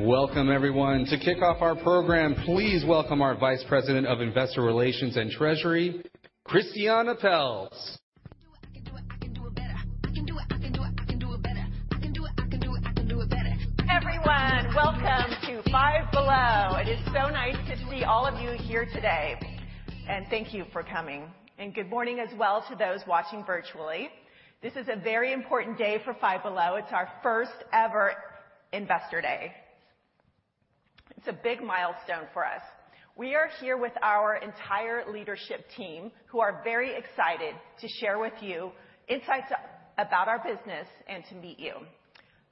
Welcome everyone. To kick off our program, please welcome our Vice President of Investor Relations and Treasury, Christiane Pelz. Everyone, welcome to Five Below. It is so nice to see all of you here today. Thank you for coming. Good morning as well to those watching virtually. This is a very important day for Five Below. It's our first ever Investor Day. It's a big milestone for us. We are here with our entire leadership team, who are very excited to share with you insights about our business and to meet you.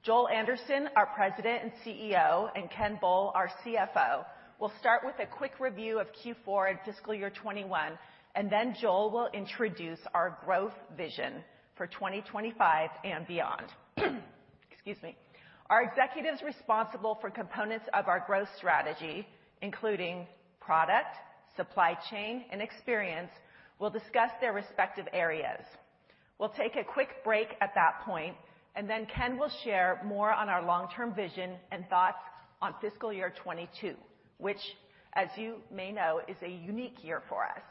Joel Anderson, our President and CEO, and Ken Bull, our CFO, will start with a quick review of Q4 and fiscal year 2021, and then Joel will introduce our growth vision for 2025 and beyond. Excuse me. Our executives responsible for components of our growth strategy, including product, supply chain, and experience, will discuss their respective areas. We'll take a quick break at that point, and then Ken will share more on our long-term vision and thoughts on fiscal year 2022, which, as you may know, is a unique year for us.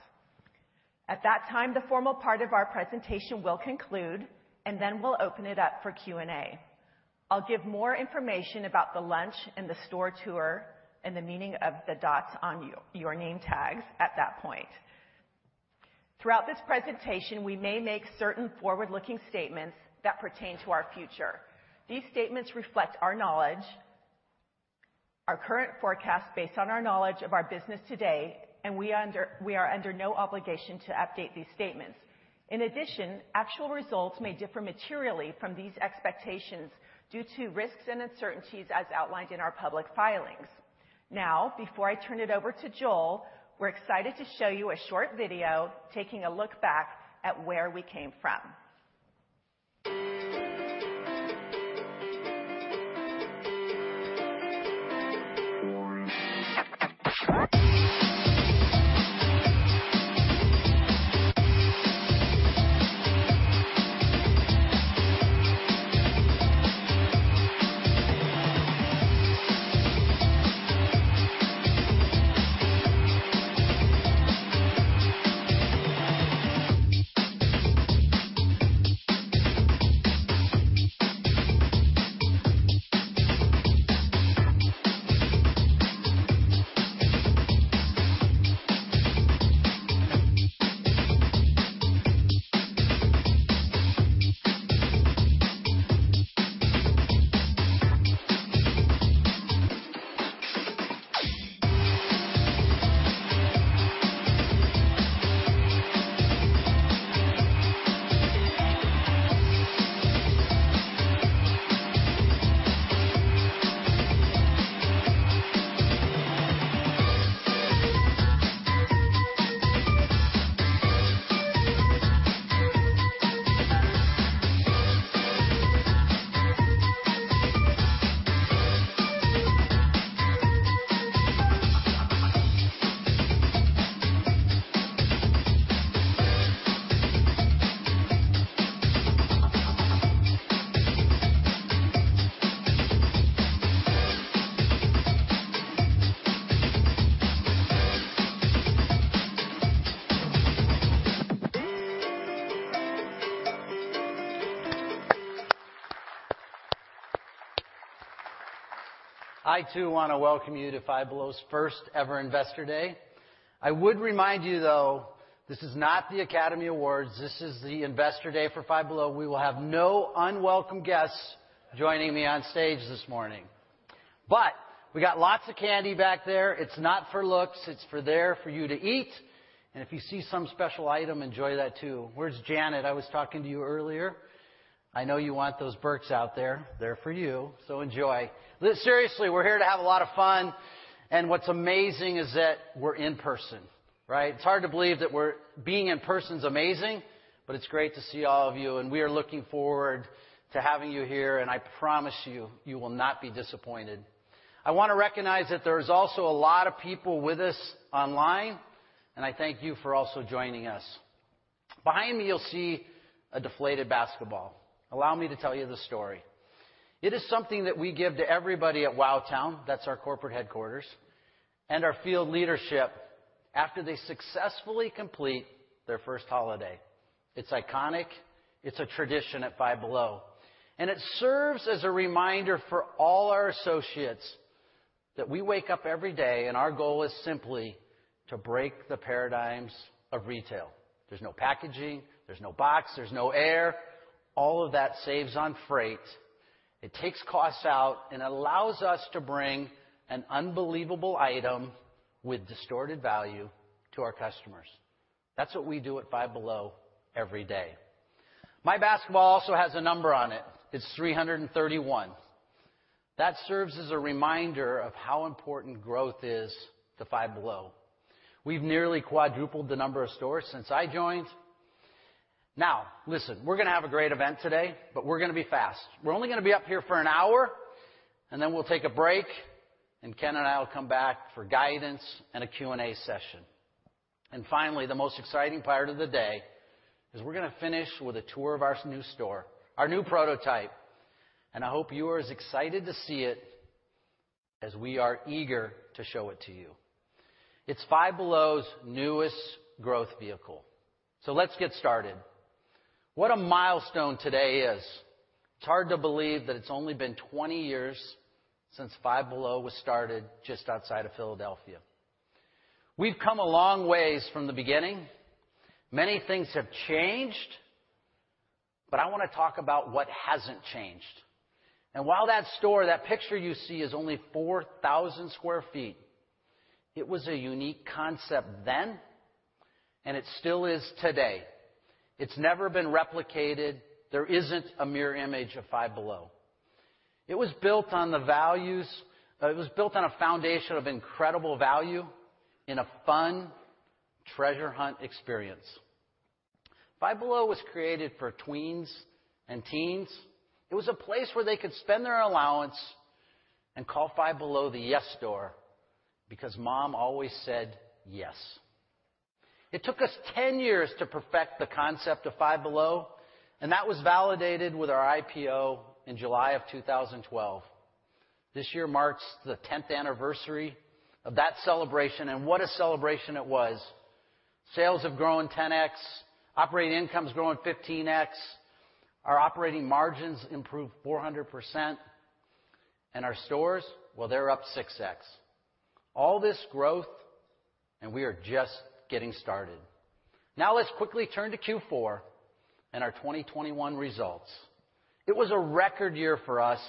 At that time, the formal part of our presentation will conclude, and then we'll open it up for Q&A. I'll give more information about the lunch and the store tour and the meaning of the dots on your name tags at that point. Throughout this presentation, we may make certain forward-looking statements that pertain to our future. These statements reflect our knowledge, our current forecast based on our knowledge of our business today, and we are under no obligation to update these statements. In addition, actual results may differ materially from these expectations due to risks and uncertainties as outlined in our public filings. Now, before I turn it over to Joel, we're excited to show you a short video taking a look back at where we came from. I, too, wanna welcome you to Five Below's first ever Investor Day. I would remind you, though, this is not the Academy Awards. This is the Investor Day for Five Below. We will have no unwelcome guests joining me on stage this morning. We got lots of candy back there. It's not for looks. It's there for you to eat. If you see some special item, enjoy that too. Where's Janet? I was talking to you earlier. I know you want those Burt's out there. They're for you, so enjoy. Seriously, we're here to have a lot of fun, and what's amazing is that we're in person, right? It's hard to believe that. Being in person is amazing, but it's great to see all of you. We are looking forward to having you here, and I promise you will not be disappointed. I wanna recognize that there's also a lot of people with us online, and I thank you for also joining us. Behind me, you'll see a deflated basketball. Allow me to tell you the story. It is something that we give to everybody at Wowtown, that's our corporate headquarters, and our field leadership after they successfully complete their first holiday. It's iconic. It's a tradition at Five Below. It serves as a reminder for all our associates that we wake up every day and our goal is simply to break the paradigms of retail. There's no packaging, there's no box, there's no air. All of that saves on freight. It takes costs out and allows us to bring an unbelievable item with distorted value to our customers. That's what we do at Five Below every day. My basketball also has a number on it. It's 331. That serves as a reminder of how important growth is to Five Below. We've nearly quadrupled the number of stores since I joined. Now, listen, we're gonna have a great event today, but we're gonna be fast. We're only gonna be up here for an hour, and then we'll take a break, and Ken and I will come back for guidance and a Q&A session. Finally, the most exciting part of the day is we're gonna finish with a tour of our new store, our new prototype. I hope you are as excited to see it as we are eager to show it to you. It's Five Below's newest growth vehicle. Let's get started. What a milestone today is. It's hard to believe that it's only been 20 years since Five Below was started just outside of Philadelphia. We've come a long ways from the beginning. Many things have changed, but I wanna talk about what hasn't changed. While that store, that picture you see, is only 4,000 sq ft, it was a unique concept then, and it still is today. It's never been replicated. There isn't a mirror image of Five Below. It was built on the values. It was built on a foundation of incredible value in a fun treasure hunt experience. Five Below was created for tweens and teens. It was a place where they could spend their allowance and call Five Below the yes store because mom always said yes. It took us 10 years to perfect the concept of Five Below, and that was validated with our IPO in July of 2012. This year marks the tenth anniversary of that celebration, and what a celebration it was. Sales have grown 10x, operating income's grown 15x, our operating margins improved 400%, and our stores, well, they're up 6x. All this growth, and we are just getting started. Now let's quickly turn to Q4 and our 2021 results. It was a record year for us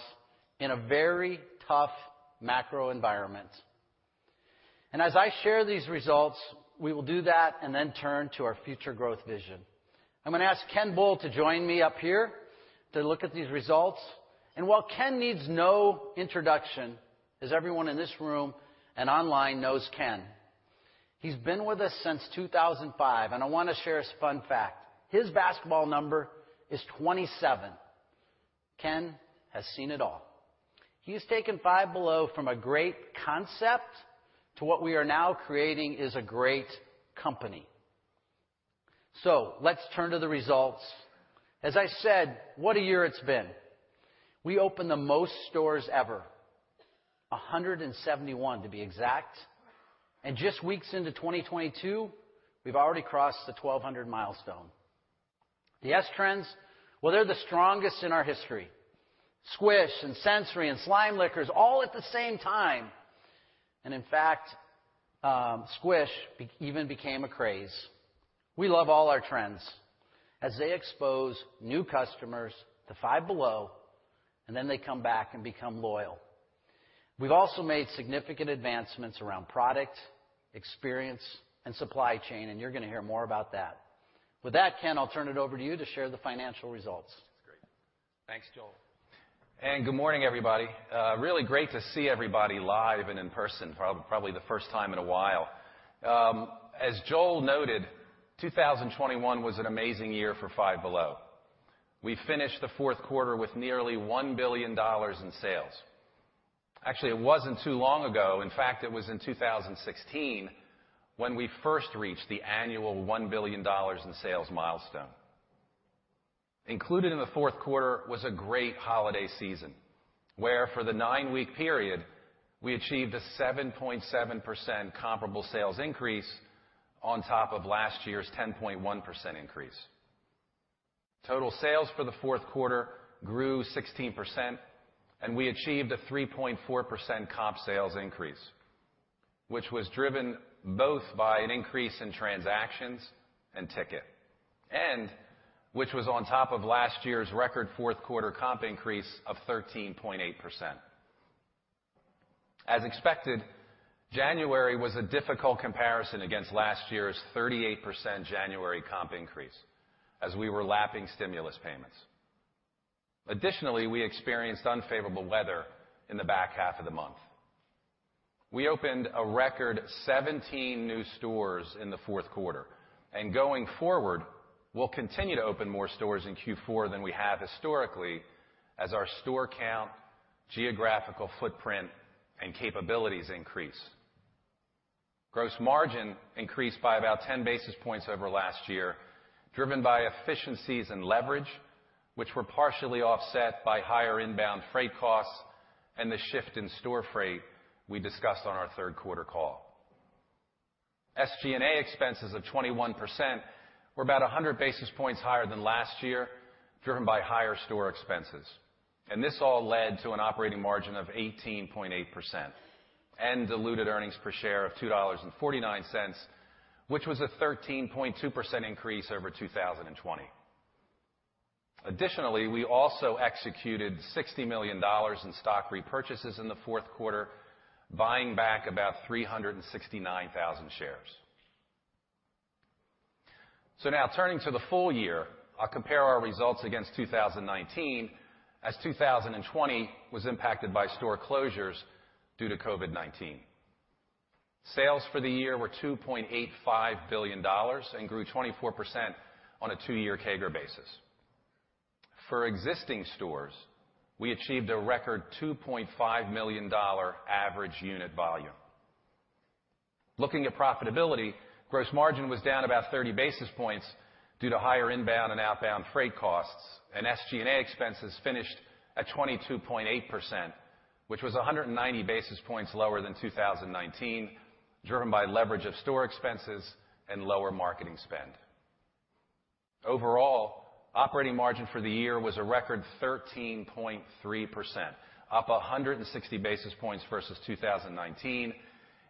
in a very tough macro environment. As I share these results, we will do that and then turn to our future growth vision. I'm gonna ask Ken Bull to join me up here to look at these results. While Ken needs no introduction, as everyone in this room and online knows Ken. He's been with us since 2005. I wanna share this fun fact. His basketball number is 27. Ken has seen it all. He's taken Five Below from a great concept to what we are now creating is a great company. Let's turn to the results. As I said, what a year it's been. We opened the most stores ever, 171 to be exact. Just weeks into 2022, we've already crossed the 1,200 milestone. The trends, well, they're the strongest in our history. Squish and sensory and Slime Lickers all at the same time. In fact, Squish even became a craze. We love all our trends as they expose new customers to Five Below, and then they come back and become loyal. We've also made significant advancements around product, experience, and supply chain, and you're gonna hear more about that. With that, Ken, I'll turn it over to you to share the financial results. Great. Thanks, Joel. Good morning, everybody. Really great to see everybody live and in person for probably the first time in a while. As Joel noted, 2021 was an amazing year for Five Below. We finished the fourth quarter with nearly $1 billion in sales. Actually, it wasn't too long ago, in fact, it was in 2016, when we first reached the annual $1 billion in sales milestone. Included in the fourth quarter was a great holiday season, where for the nine-week period, we achieved a 7.7% comparable sales increase on top of last year's 10.1% increase. Total sales for the fourth quarter grew 16%, and we achieved a 3.4% comp sales increase, which was driven both by an increase in transactions and ticket. And, which was on top of last year's record fourth quarter comp increase of 13.8%. As expected, January was a difficult comparison against last year's 38% January comp increase as we were lapping stimulus payments. Additionally, we experienced unfavorable weather in the back half of the month. We opened a record 17 new stores in the fourth quarter, and going forward, we'll continue to open more stores in Q4 than we have historically as our store count, geographical footprint, and capabilities increase. Gross margin increased by about 10 basis points over last year, driven by efficiencies and leverage, which were partially offset by higher inbound freight costs and the shift in store freight we discussed on our third quarter call. SG&A expenses of 21% were about 100 basis points higher than last year, driven by higher store expenses. This all led to an operating margin of 18.8% and diluted earnings per share of $2.49, which was a 13.2% increase over 2020. Additionally, we also executed $60 million in stock repurchases in the fourth quarter, buying back about 369,000 shares. Now turning to the full year, I'll compare our results against 2019 as 2020 was impacted by store closures due to COVID-19. Sales for the year were $2.85 billion and grew 24% on a two-year CAGR basis. For existing stores, we achieved a record $2.5 million average unit volume. Looking at profitability, gross margin was down about 30 basis points due to higher inbound and outbound freight costs and SG&A expenses finished at 22.8%, which was 190 basis points lower than 2019, driven by leverage of store expenses and lower marketing spend. Overall, operating margin for the year was a record 13.3%, up 160 basis points versus 2019,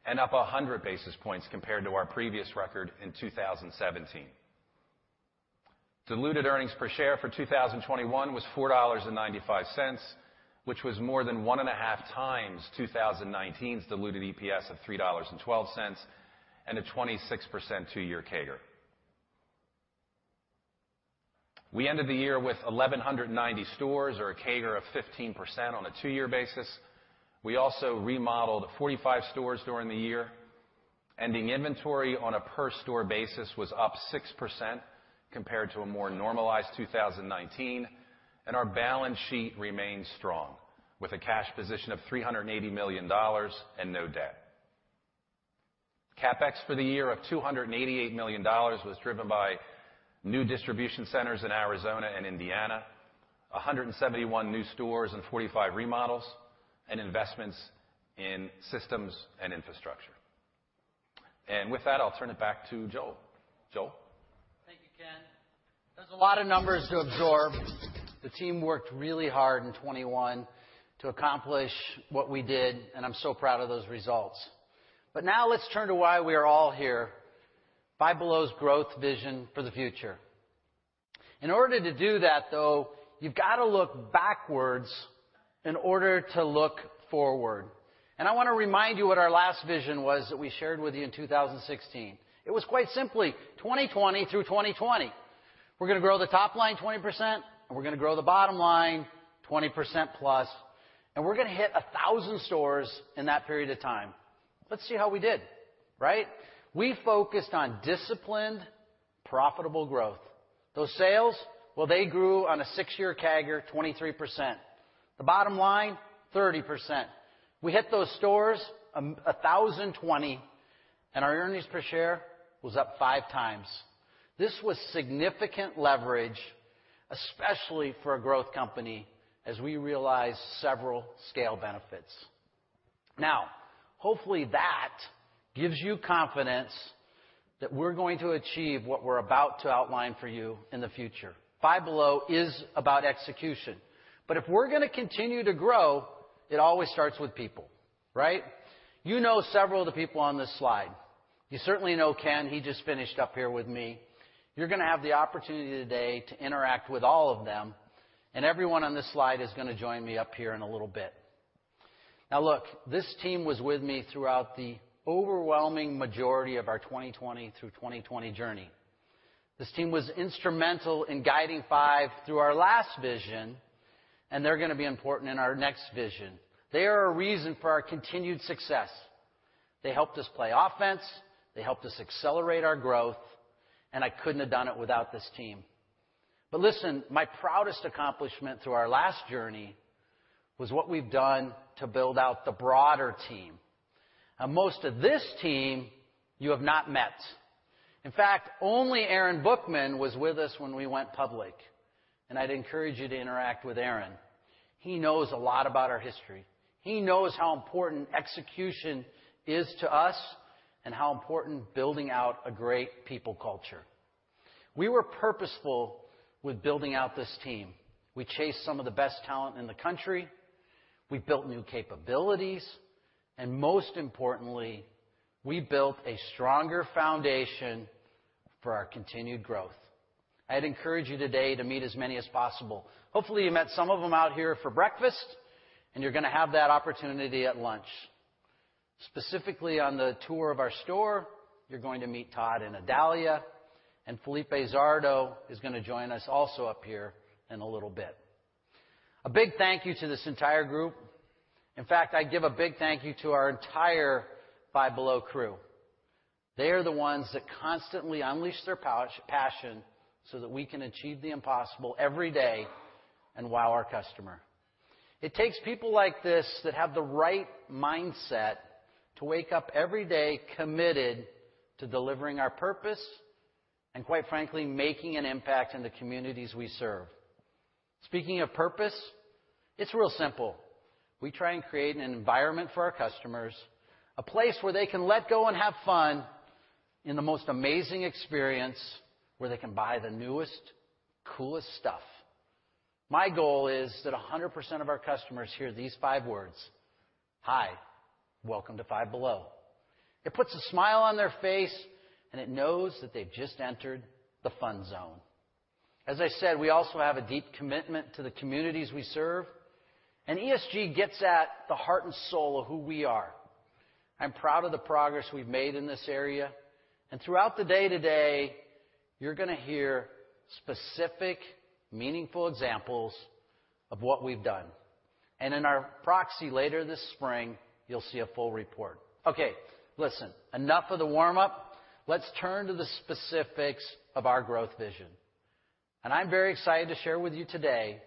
and up 100 basis points compared to our previous record in 2017. Diluted earnings per share for 2021 was $4.95, which was more than 1.5x 2019's diluted EPS of $3.12, and a 26% two-year CAGR. We ended the year with 1,190 stores or a CAGR of 15% on a two-year basis. We also remodeled 45 stores during the year. Ending inventory on a per store basis was up 6% compared to a more normalized 2019, and our balance sheet remains strong, with a cash position of $380 million and no debt. CapEx for the year of $288 million was driven by new distribution centers in Arizona and Indiana, 171 new stores and 45 remodels and investments in systems and infrastructure. With that, I'll turn it back to Joel. Joel. Thank you, Ken. There's a lot of numbers to absorb. The team worked really hard in 2021 to accomplish what we did, and I'm so proud of those results. Now let's turn to why we are all here, Five Below's growth vision for the future. In order to do that, though, you've got to look backwards in order to look forward. I wanna remind you what our last vision was that we shared with you in 2016. It was quite simply, 20/20 Through 2020. We're gonna grow the top line 20%, and we're gonna grow the bottom line 20%+, and we're gonna hit 1,000 stores in that period of time. Let's see how we did, right? We focused on disciplined, profitable growth. Those sales, well, they grew on a six-year CAGR, 23%. The bottom line, 30%. We hit those stores, 1,020, and our earnings per share was up 5x. This was significant leverage, especially for a growth company, as we realized several scale benefits. Now, hopefully that gives you confidence that we're going to achieve what we're about to outline for you in the future. Five Below is about execution. If we're gonna continue to grow, it always starts with people, right? You know several of the people on this slide. You certainly know Ken. He just finished up here with me. You're gonna have the opportunity today to interact with all of them, and everyone on this slide is gonna join me up here in a little bit. Now, look, this team was with me throughout the overwhelming majority of our 2020 through 2021 journey. This team was instrumental in guiding Five through our last vision, and they're gonna be important in our next vision. They are a reason for our continued success. They helped us play offense, they helped us accelerate our growth, and I couldn't have done it without this team. Listen, my proudest accomplishment through our last journey was what we've done to build out the broader team. Now, most of this team, you have not met. In fact, only Aaron Bookman was with us when we went public, and I'd encourage you to interact with Aaron. He knows a lot about our history. He knows how important execution is to us and how important building out a great people culture. We were purposeful with building out this team. We chased some of the best talent in the country, we built new capabilities, and most importantly, we built a stronger foundation for our continued growth. I'd encourage you today to meet as many as possible. Hopefully, you met some of them out here for breakfast, and you're gonna have that opportunity at lunch. Specifically, on the tour of our store, you're going to meet Todd and Idalia, and Felipe Zardo is gonna join us also up here in a little bit. A big thank you to this entire group. In fact, I give a big thank you to our entire Five Below crew. They are the ones that constantly unleash their passion so that we can achieve the impossible every day and wow our customer. It takes people like this that have the right mindset to wake up every day committed to delivering our purpose and, quite frankly, making an impact in the communities we serve. Speaking of purpose, it's real simple. We try and create an environment for our customers, a place where they can let go and have fun in the most amazing experience, where they can buy the newest, coolest stuff. My goal is that 100% of our customers hear these five words: "Hi, welcome to Five Below." It puts a smile on their face, and they know that they've just entered the fun zone. As I said, we also have a deep commitment to the communities we serve, and ESG gets at the heart and soul of who we are. I'm proud of the progress we've made in this area. Throughout the day today, you're gonna hear specific, meaningful examples of what we've done. In our proxy later this spring, you'll see a full report. Okay. Listen, enough of the warm-up. Let's turn to the specifics of our growth vision. I'm very excited to share with you today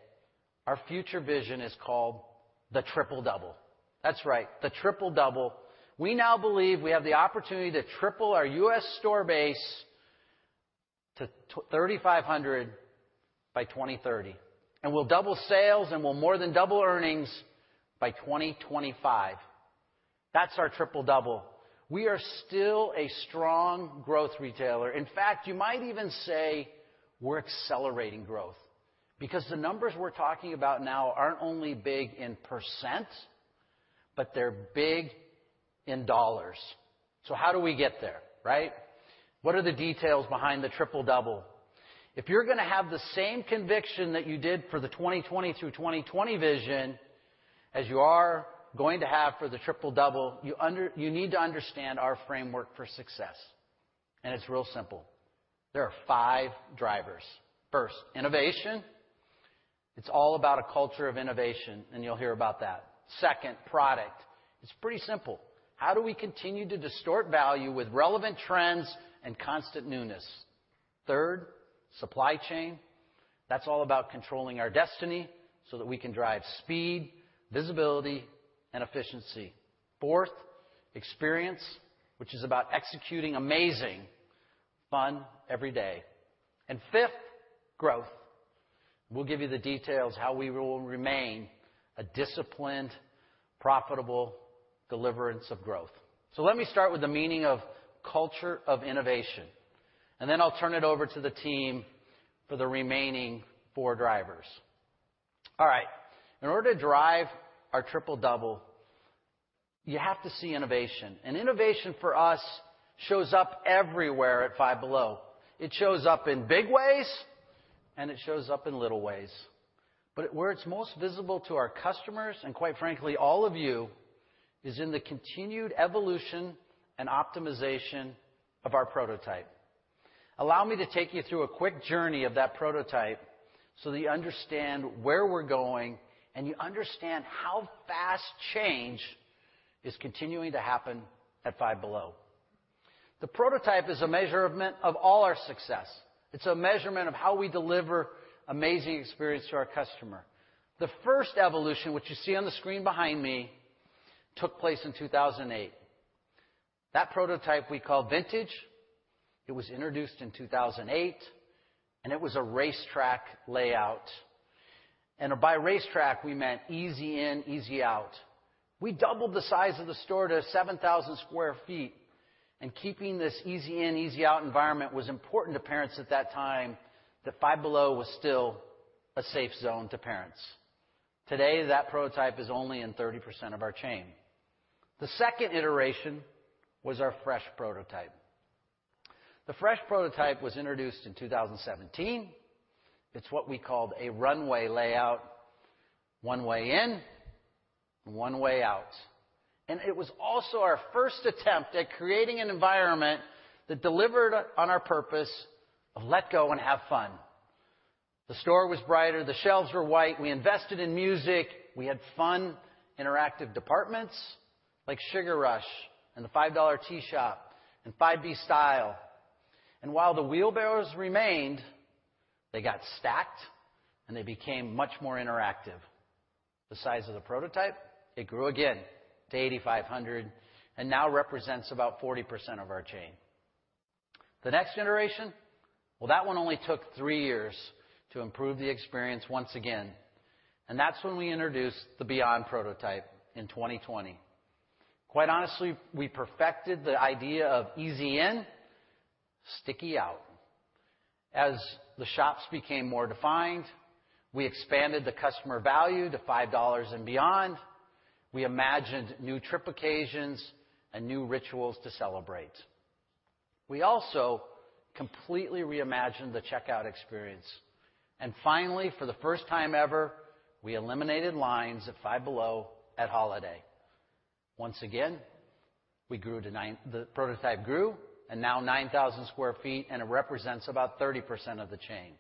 our future vision is called the Triple-Double. That's right, the Triple-Double. We now believe we have the opportunity to triple our U.S. store base to 3,500 by 2030, and we'll double sales, and we'll more than double earnings by 2025. That's our Triple-Double. We are still a strong growth retailer. In fact, you might even say we're accelerating growth because the numbers we're talking about now aren't only big in percent, but they're big in dollars. So how do we get there, right? What are the details behind the Triple-Double? If you're gonna have the same conviction that you did for the 20/20 Through 2020 vision as you are going to have for the Triple-Double, you need to understand our framework for success, and it's real simple. There are five drivers. First, innovation. It's all about a culture of innovation, and you'll hear about that. Second, product. It's pretty simple. How do we continue to distort value with relevant trends and constant newness? Third, supply chain. That's all about controlling our destiny so that we can drive speed, visibility, and efficiency. Fourth, experience, which is about executing amazing fun every day. Fifth, growth. We'll give you the details how we will remain a disciplined, profitable deliverance of growth. Let me start with the meaning of culture of innovation, and then I'll turn it over to the team for the remaining four drivers. All right. In order to drive our Triple-Double, you have to see innovation, and innovation for us shows up everywhere at Five Below. It shows up in big ways, and it shows up in little ways. Where it's most visible to our customers and, quite frankly, all of you is in the continued evolution and optimization of our prototype. Allow me to take you through a quick journey of that prototype so that you understand where we're going, and you understand how fast change is continuing to happen at Five Below. The prototype is a measurement of all our success. It's a measurement of how we deliver amazing experience to our customer. The first evolution, which you see on the screen behind me, took place in 2008. That prototype we call Vintage. It was introduced in 2008, and it was a racetrack layout. By racetrack, we meant easy in, easy out. We doubled the size of the store to 7,000 sq ft, and keeping this easy-in, easy-out environment was important to parents at that time that Five Below was still a safe zone to parents. Today, that prototype is only in 30% of our chain. The second iteration was our Fresh Prototype. The Fresh Prototype was introduced in 2017. It's what we called a runway layout, one way in, one way out. It was also our first attempt at creating an environment that delivered on our purpose of let go and have fun. The store was brighter. The shelves were white. We invested in music. We had fun, interactive departments like Sugar Rush and the Five Dollar T-Shop and Five B Style. While the wheelbarrows remained, they got stacked, and they became much more interactive. The size of the prototype, it grew again to 8,500 sq ft and now represents about 40% of our chain. The next generation, well, that one only took three years to improve the experience once again, and that's when we introduced the Beyond Prototype in 2020. Quite honestly, we perfected the idea of easy in, sticky out. As the shops became more defined, we expanded the customer value to $5 and beyond. We imagined new trip occasions and new rituals to celebrate. We also completely reimagined the checkout experience. Finally, for the first time ever, we eliminated lines at Five Below at holiday. Once again, the prototype grew and now 9,000 sq ft, and it represents about 30% of the chain.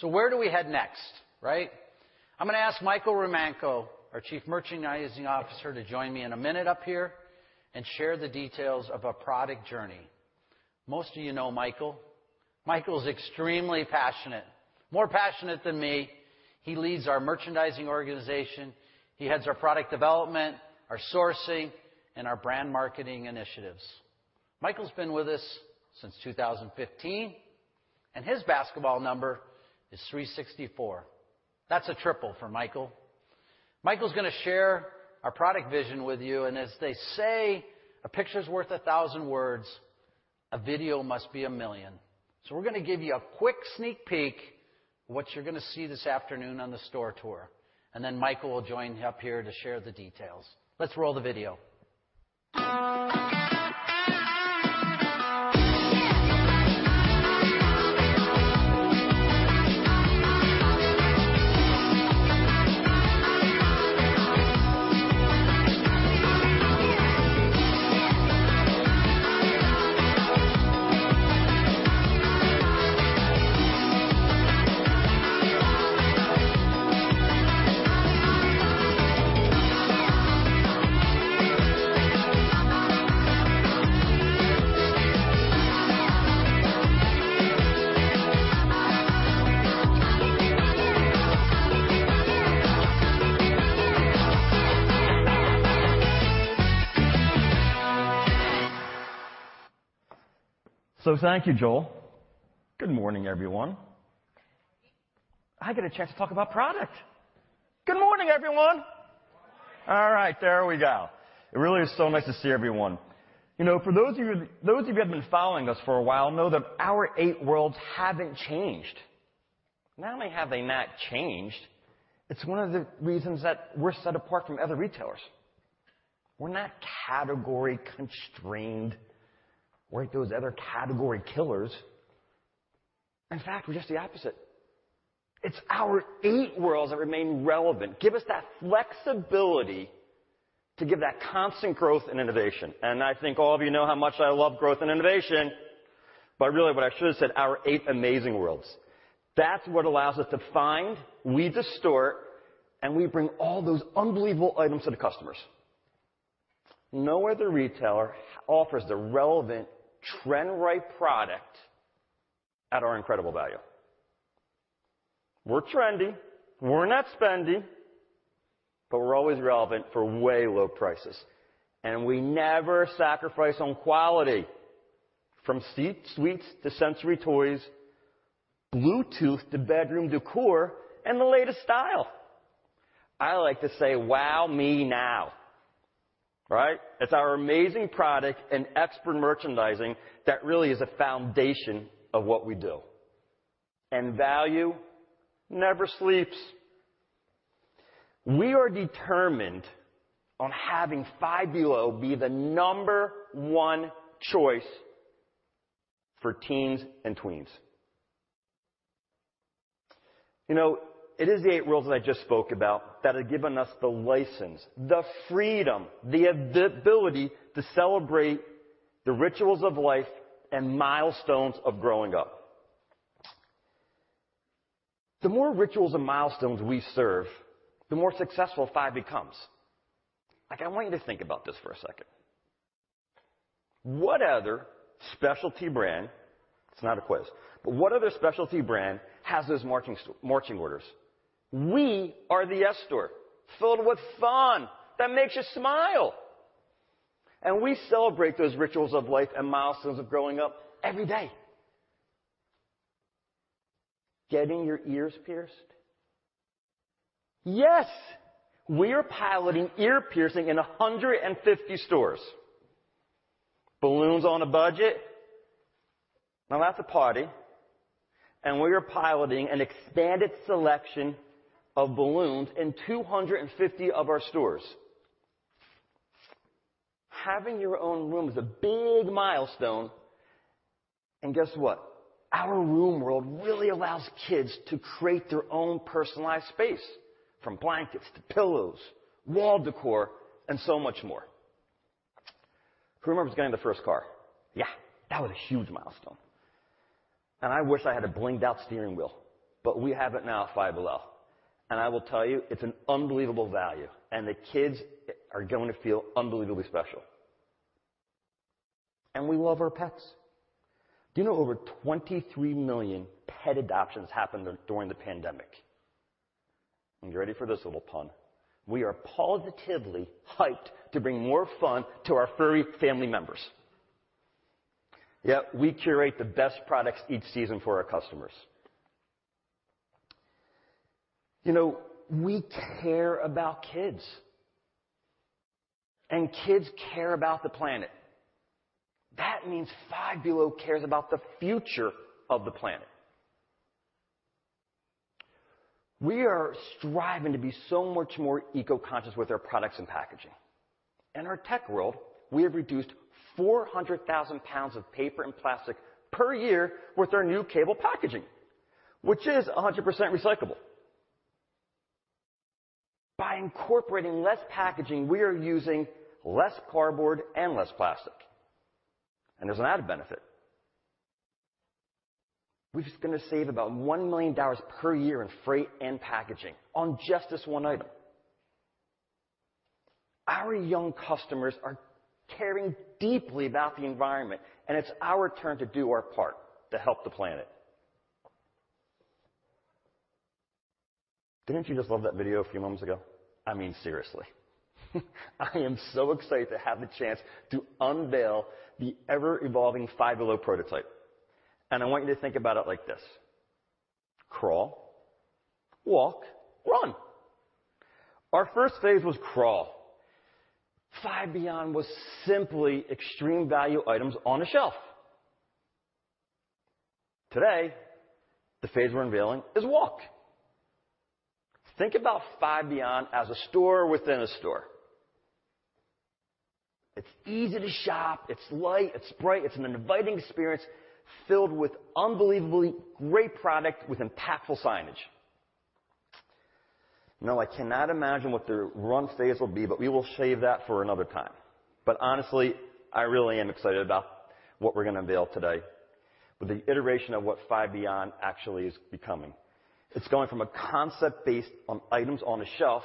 Where do we head next, right? I'm gonna ask Michael Romanko, our Chief Merchandising Officer, to join me in a minute up here and share the details of our product journey. Most of you know Michael. Michael's extremely passionate, more passionate than me. He leads our merchandising organization. He heads our product development, our sourcing, and our brand marketing initiatives. Michael's been with us since 2015, and his basketball number is 364. That's a triple for Michael. Michael's gonna share our product vision with you, and as they say, a picture's worth 1,000 words. A video must be 1 million. We're gonna give you a quick sneak peek what you're gonna see this afternoon on the store tour. Then Michael will join me up here to share the details. Let's roll the video. Thank you, Joel. Good morning, everyone. I get a chance to talk about product. Good morning, everyone. All right, there we go. It really is so nice to see everyone. You know, for those of you that have been following us for a while know that our eight worlds haven't changed. Not only have they not changed, it's one of the reasons that we're set apart from other retailers. We're not category constrained like those other category killers. In fact, we're just the opposite. It's our eight worlds that remain relevant, give us that flexibility to give that constant growth and innovation. I think all of you know how much I love growth and innovation. Really, what I should have said, our eight amazing worlds. That's what allows us to find, we source, and we bring all those unbelievable items to the customers. No other retailer offers the relevant trend-right product at our incredible value. We're trendy, we're not spendy, but we're always relevant for way low prices. We never sacrifice on quality. From sweets to sensory toys, bluetooth to bedroom decor, and the latest style. I like to say, "Wow me now." Right? It's our amazing product and expert merchandising that really is a foundation of what we do. Value never sleeps. We are determined on having Five Below be the number one choice for teens and tweens. You know, it is the eight worlds that I just spoke about that have given us the license, the freedom, the ability to celebrate the rituals of life and milestones of growing up. The more rituals and milestones we serve, the more successful Five becomes. Like, I want you to think about this for a second. What other specialty brand. It's not a quiz, but what other specialty brand has those marching orders? We are the yes store filled with fun that makes you smile. We celebrate those rituals of life and milestones of growing up every day. Getting your ears pierced? Yes, we are piloting ear piercing in 150 stores. Balloons on a budget? Now that's a party. We are piloting an expanded selection of balloons in 250 of our stores. Having your own room is a big milestone. Guess what? Our room world really allows kids to create their own personalized space, from blankets to pillows, wall decor, and so much more. Who remembers getting their first car? Yeah, that was a huge milestone. I wish I had a blinged-out steering wheel, but we have it now at Five Below. I will tell you, it's an unbelievable value, and the kids are going to feel unbelievably special. We love our pets. Do you know over 23 million pet adoptions happened during the pandemic? Are you ready for this little pun? We are positively hyped to bring more fun to our furry family members. Yep, we curate the best products each season for our customers. You know, we care about kids, and kids care about the planet. That means Five Below cares about the future of the planet. We are striving to be so much more eco-conscious with our products and packaging. In our tech world, we have reduced 400,000 pounds of paper and plastic per year with our new cable packaging, which is 100% recyclable. By incorporating less packaging, we are using less cardboard and less plastic. There's an added benefit. We're just gonna save about $1 million per year in freight and packaging on just this one item. Our young customers are caring deeply about the environment, and it's our turn to do our part to help the planet. Didn't you just love that video a few moments ago? I mean, seriously. I am so excited to have the chance to unveil the ever-evolving Five Below prototype. I want you to think about it like this. Crawl, walk, run. Our first phase was crawl. Five Beyond was simply extreme value items on a shelf. Today, the phase we're unveiling is walk. Think about Five Beyond as a store within a store. It's easy to shop. It's light, it's bright. It's an inviting experience filled with unbelievably great product with impactful signage. No, I cannot imagine what the run phase will be, but we will save that for another time. Honestly, I really am excited about what we're gonna unveil today with the iteration of what Five Beyond actually is becoming. It's going from a concept based on items on a shelf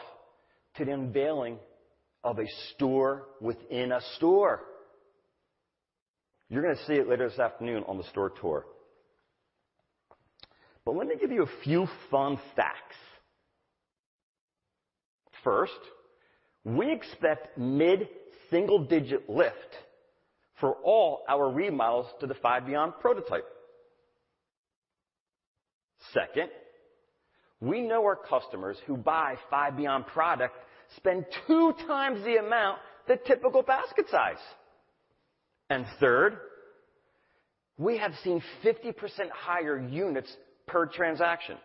to the unveiling of a store within a store. You're gonna see it later this afternoon on the store tour. Let me give you a few fun facts. First, we expect mid-single digit lift for all our remodels to the Five Beyond prototype. Second, we know our customers who buy Five Beyond product spend 2x the amount the typical basket size. And third, we have seen 50% higher units per transaction.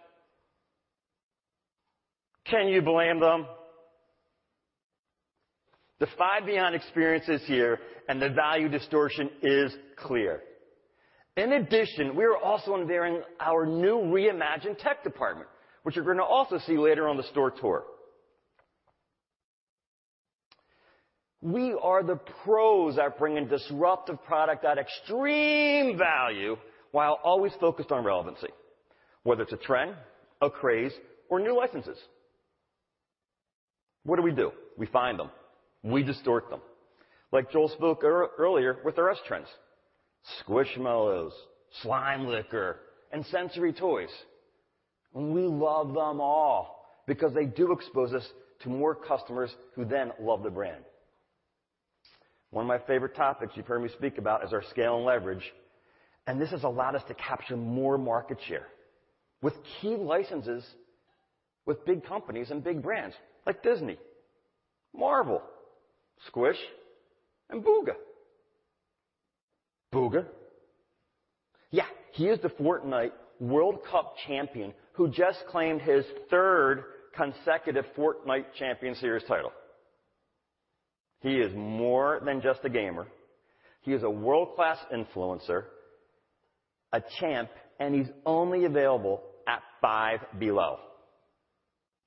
Can you blame them? The Five Beyond experience is here, and the value distortion is clear. In addition, we are also unveiling our new reimagined tech department, which you're gonna also see later on the store tour. We are the pros at bringing disruptive product at extreme value while always focused on relevancy, whether it's a trend, a craze, or new licenses. What do we do? We find them. We distort them. Like Joel spoke earlier with the recent trends, Squishmallows, Slime Licker, and sensory toys. We love them all because they do expose us to more customers who then love the brand. One of my favorite topics you've heard me speak about is our scale and leverage, and this has allowed us to capture more market share with key licenses with big companies and big brands like Disney, Marvel, Squish and Bugha. Bugha? Yeah, he is the Fortnite World Cup champion who just claimed his third consecutive Fortnite Champion Series title. He is more than just a gamer. He is a world-class influencer, a champ, and he's only available at Five Below.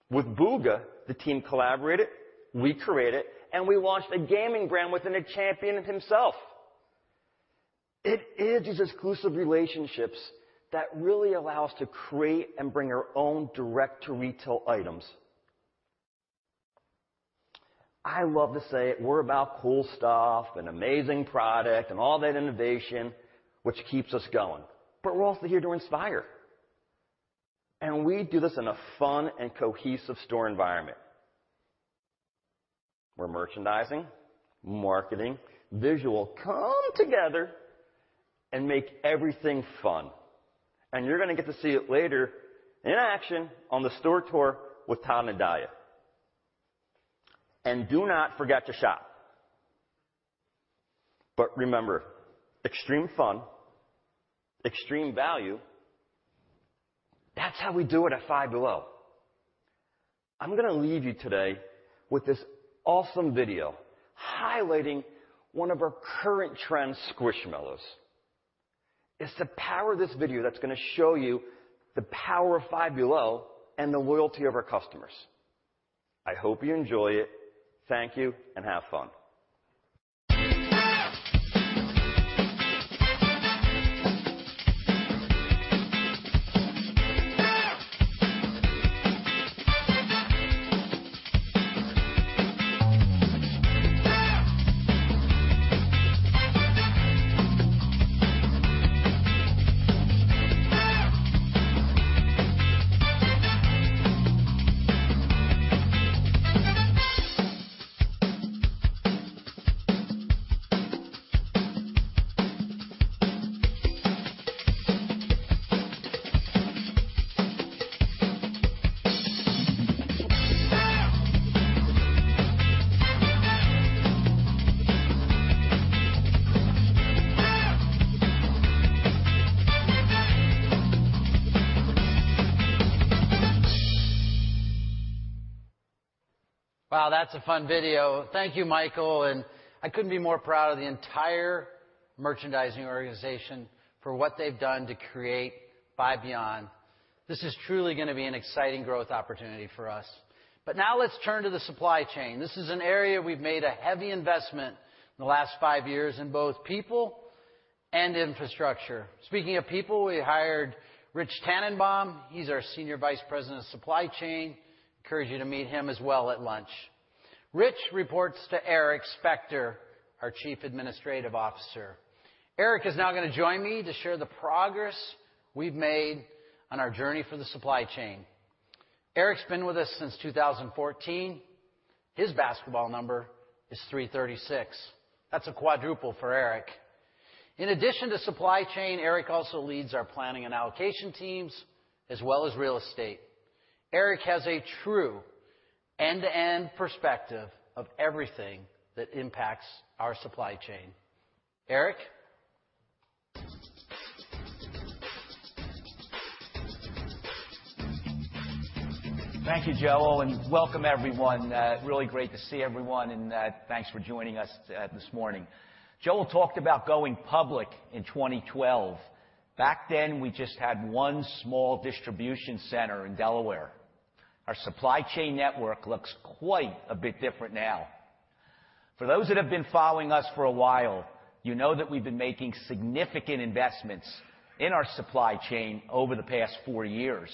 With Bugha, the team collaborated, we created, and we launched a gaming brand within a champion himself. It is these exclusive relationships that really allow us to create and bring our own direct-to-retail items. I love to say it, we're about cool stuff and amazing product and all that innovation which keeps us going, but we're also here to inspire. We do this in a fun and cohesive store environment where merchandising, marketing, visual come together and make everything fun. You're gonna get to see it later in action on the store tour with Tom and Idalia. Do not forget to shop. Remember, extreme fun, extreme value, that's how we do it at Five Below. I'm gonna leave you today with this awesome video highlighting one of our current trends, Squishmallows. It's the power of this video that's gonna show you the power of Five Below and the loyalty of our customers. I hope you enjoy it. Thank you, and have fun. Wow, that's a fun video. Thank you, Michael. I couldn't be more proud of the entire merchandising organization for what they've done to create Five Beyond. This is truly gonna be an exciting growth opportunity for us. Now let's turn to the supply chain. This is an area we've made a heavy investment in the last five years in both people and infrastructure. Speaking of people, we hired Rich Tannenbaum. He's our Senior Vice President of Supply Chain. I encourage you to meet him as well at lunch. Rich reports to Eric Specter, our Chief Administrative Officer. Eric is now gonna join me to share the progress we've made on our journey for the supply chain. Eric's been with us since 2014. His basketball number is 336. That's a quadruple for Eric. In addition to supply chain, Eric also leads our planning and allocation teams, as well as real estate. Eric has a true end-to-end perspective of everything that impacts our supply chain. Eric? Thank you, Joel, and welcome everyone. Really great to see everyone, and thanks for joining us this morning. Joel talked about going public in 2012. Back then, we just had one small distribution center in Delaware. Our supply chain network looks quite a bit different now. For those that have been following us for a while, you know that we've been making significant investments in our supply chain over the past four years,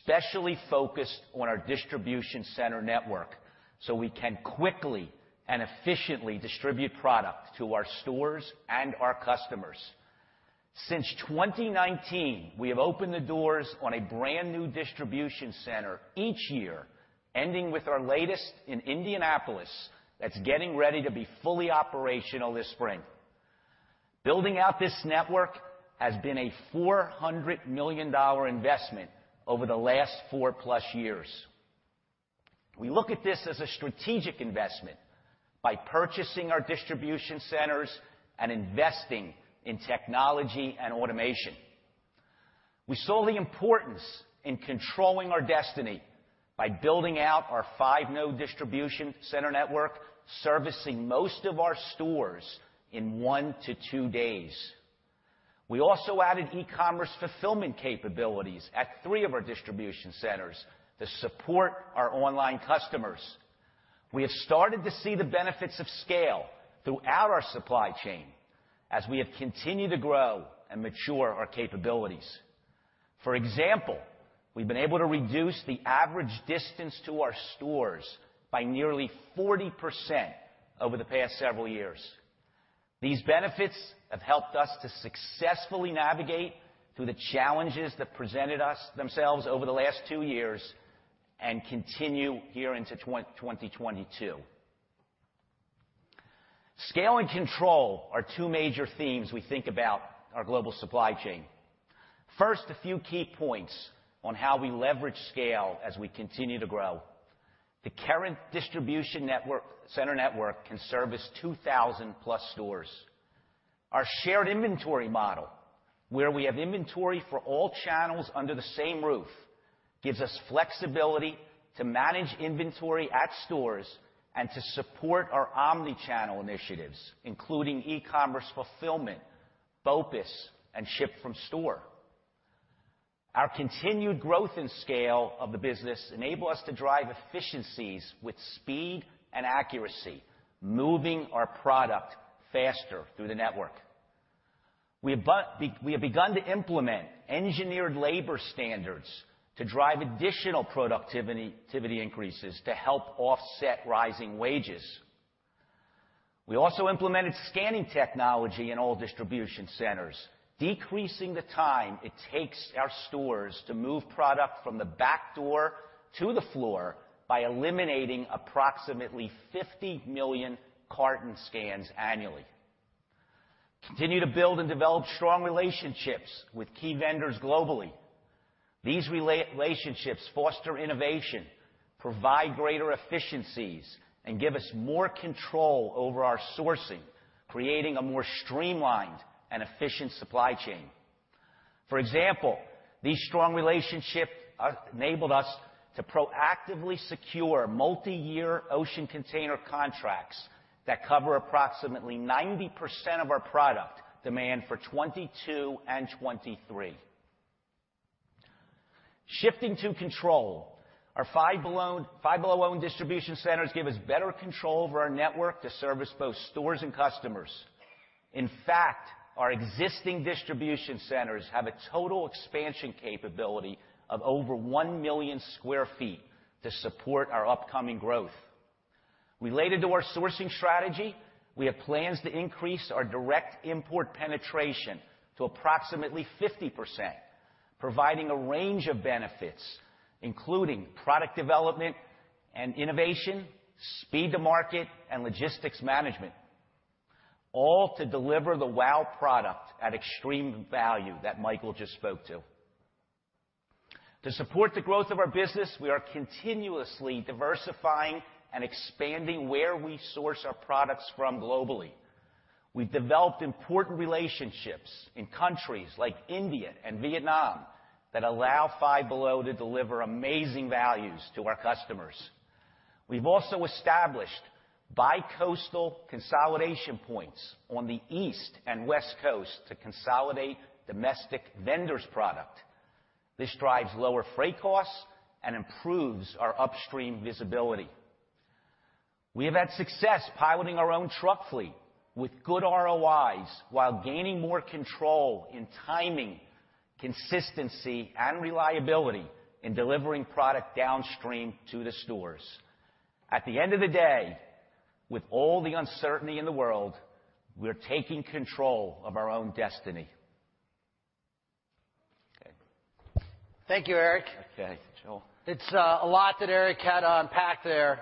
specially focused on our distribution center network, so we can quickly and efficiently distribute product to our stores and our customers. Since 2019, we have opened the doors on a brand-new distribution center each year, ending with our latest in Indianapolis that's getting ready to be fully operational this spring. Building out this network has been a $400 million investment over the last 4+ years. We look at this as a strategic investment by purchasing our distribution centers and investing in technology and automation. We saw the importance in controlling our destiny by building out our five-node distribution center network, servicing most of our stores in one to two days. We also added e-commerce fulfillment capabilities at three of our distribution centers to support our online customers. We have started to see the benefits of scale throughout our supply chain as we have continued to grow and mature our capabilities. For example, we've been able to reduce the average distance to our stores by nearly 40% over the past several years. These benefits have helped us to successfully navigate through the challenges that presented us themselves over the last two years and continue here into 2022. Scale and control are two major themes we think about our global supply chain. First, a few key points on how we leverage scale as we continue to grow. The current distribution center network can service 2,000+ stores. Our shared inventory model, where we have inventory for all channels under the same roof, gives us flexibility to manage inventory at stores and to support our omni-channel initiatives, including e-commerce fulfillment, BOPIS, and ship from store. Our continued growth and scale of the business enable us to drive efficiencies with speed and accuracy, moving our product faster through the network. We have begun to implement engineered labor standards to drive additional productivity, activity increases to help offset rising wages. We also implemented scanning technology in all distribution centers, decreasing the time it takes our stores to move product from the back door to the floor by eliminating approximately 50 million carton scans annually. Continue to build and develop strong relationships with key vendors globally. These relationships foster innovation, provide greater efficiencies, and give us more control over our sourcing, creating a more streamlined and efficient supply chain. For example, these strong relationships enabled us to proactively secure multiyear ocean container contracts that cover approximately 90% of our product demand for 2022 and 2023. Shifting to control. Our Five Below-owned distribution centers give us better control over our network to service both stores and customers. In fact, our existing distribution centers have a total expansion capability of over 1 million sq ft to support our upcoming growth. Related to our sourcing strategy, we have plans to increase our direct import penetration to approximately 50%, providing a range of benefits, including product development and innovation, speed to market, and logistics management, all to deliver the wow product at extreme value that Michael just spoke to. To support the growth of our business, we are continuously diversifying and expanding where we source our products from globally. We've developed important relationships in countries like India and Vietnam that allow Five Below to deliver amazing values to our customers. We've also established bicoastal consolidation points on the East and West Coast to consolidate domestic vendors' product. This drives lower freight costs and improves our upstream visibility. We have had success piloting our own truck fleet with good ROIs while gaining more control in timing, consistency, and reliability in delivering product downstream to the stores. At the end of the day, with all the uncertainty in the world, we're taking control of our own destiny. Okay. Thank you, Eric. Okay, Joel. It's a lot that Eric had to unpack there.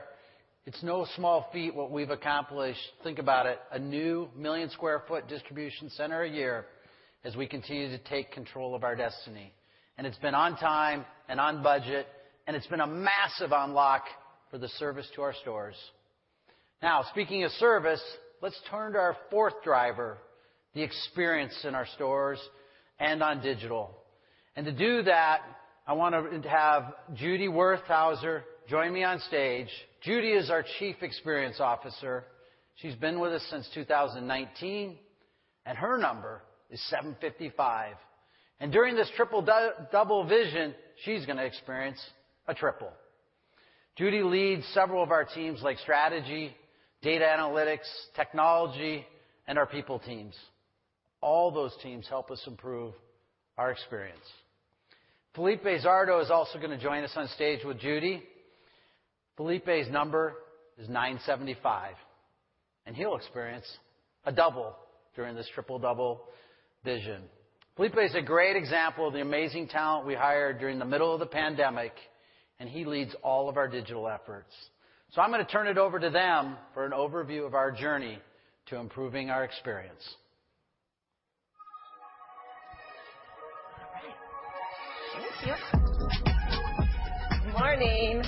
It's no small feat what we've accomplished. Think about it, a new 1 million sq ft distribution center a year as we continue to take control of our destiny. It's been on time and on budget, and it's been a massive unlock for the service to our stores. Now, speaking of service, let's turn to our fourth driver, the experience in our stores and on digital. To do that, I want to have Judy Werthauser join me on stage. Judy is our Chief Experience Officer. She's been with us since 2019. Her number is 755. During this Triple-Double vision, she's gonna experience a triple. Judy leads several of our teams like strategy, data analytics, technology, and our people teams. All those teams help us improve our experience. Felipe Zardo is also gonna join us on stage with Judy. Felipe's number is 975, and he'll experience a double during this Triple-Double vision. Felipe is a great example of the amazing talent we hired during the middle of the pandemic, and he leads all of our digital efforts. I'm gonna turn it over to them for an overview of our journey to improving our experience. All right. Thank you. Good morning.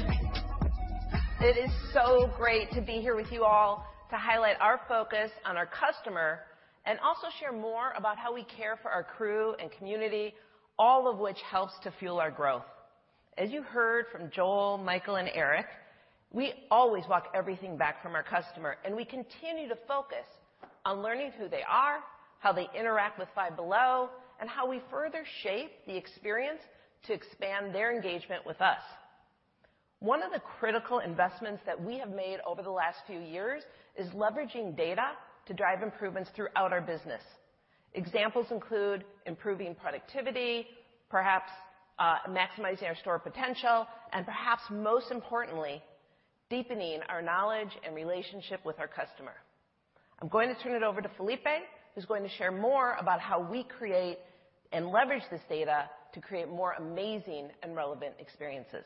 It is so great to be here with you all to highlight our focus on our customer and also share more about how we care for our crew and community, all of which helps to fuel our growth. As you heard from Joel, Michael, and Eric, we always walk everything back from our customer, and we continue to focus on learning who they are, how they interact with Five Below, and how we further shape the experience to expand their engagement with us. One of the critical investments that we have made over the last few years is leveraging data to drive improvements throughout our business. Examples include improving productivity, perhaps, maximizing our store potential, and perhaps most importantly, deepening our knowledge and relationship with our customer. I'm going to turn it over to Felipe, who's going to share more about how we create and leverage this data to create more amazing and relevant experiences.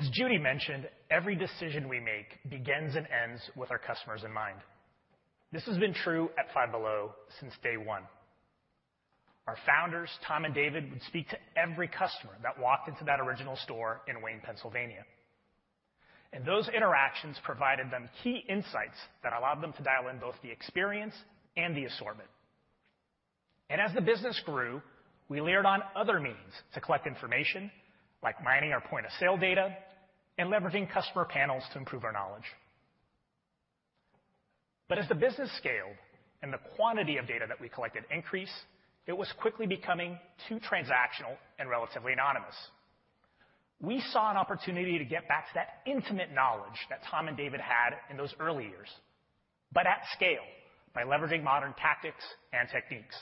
As Judy mentioned, every decision we make begins and ends with our customers in mind. This has been true at Five Below since day one. Our founders, Tom and David, would speak to every customer that walked into that original store in Wayne, Pennsylvania. Those interactions provided them key insights that allowed them to dial in both the experience and the assortment. As the business grew, we layered on other means to collect information, like mining our point of sale data and leveraging customer panels to improve our knowledge. As the business scaled and the quantity of data that we collected increased, it was quickly becoming too transactional and relatively anonymous. We saw an opportunity to get back to that intimate knowledge that Tom and David had in those early years, but at scale by leveraging modern tactics and techniques.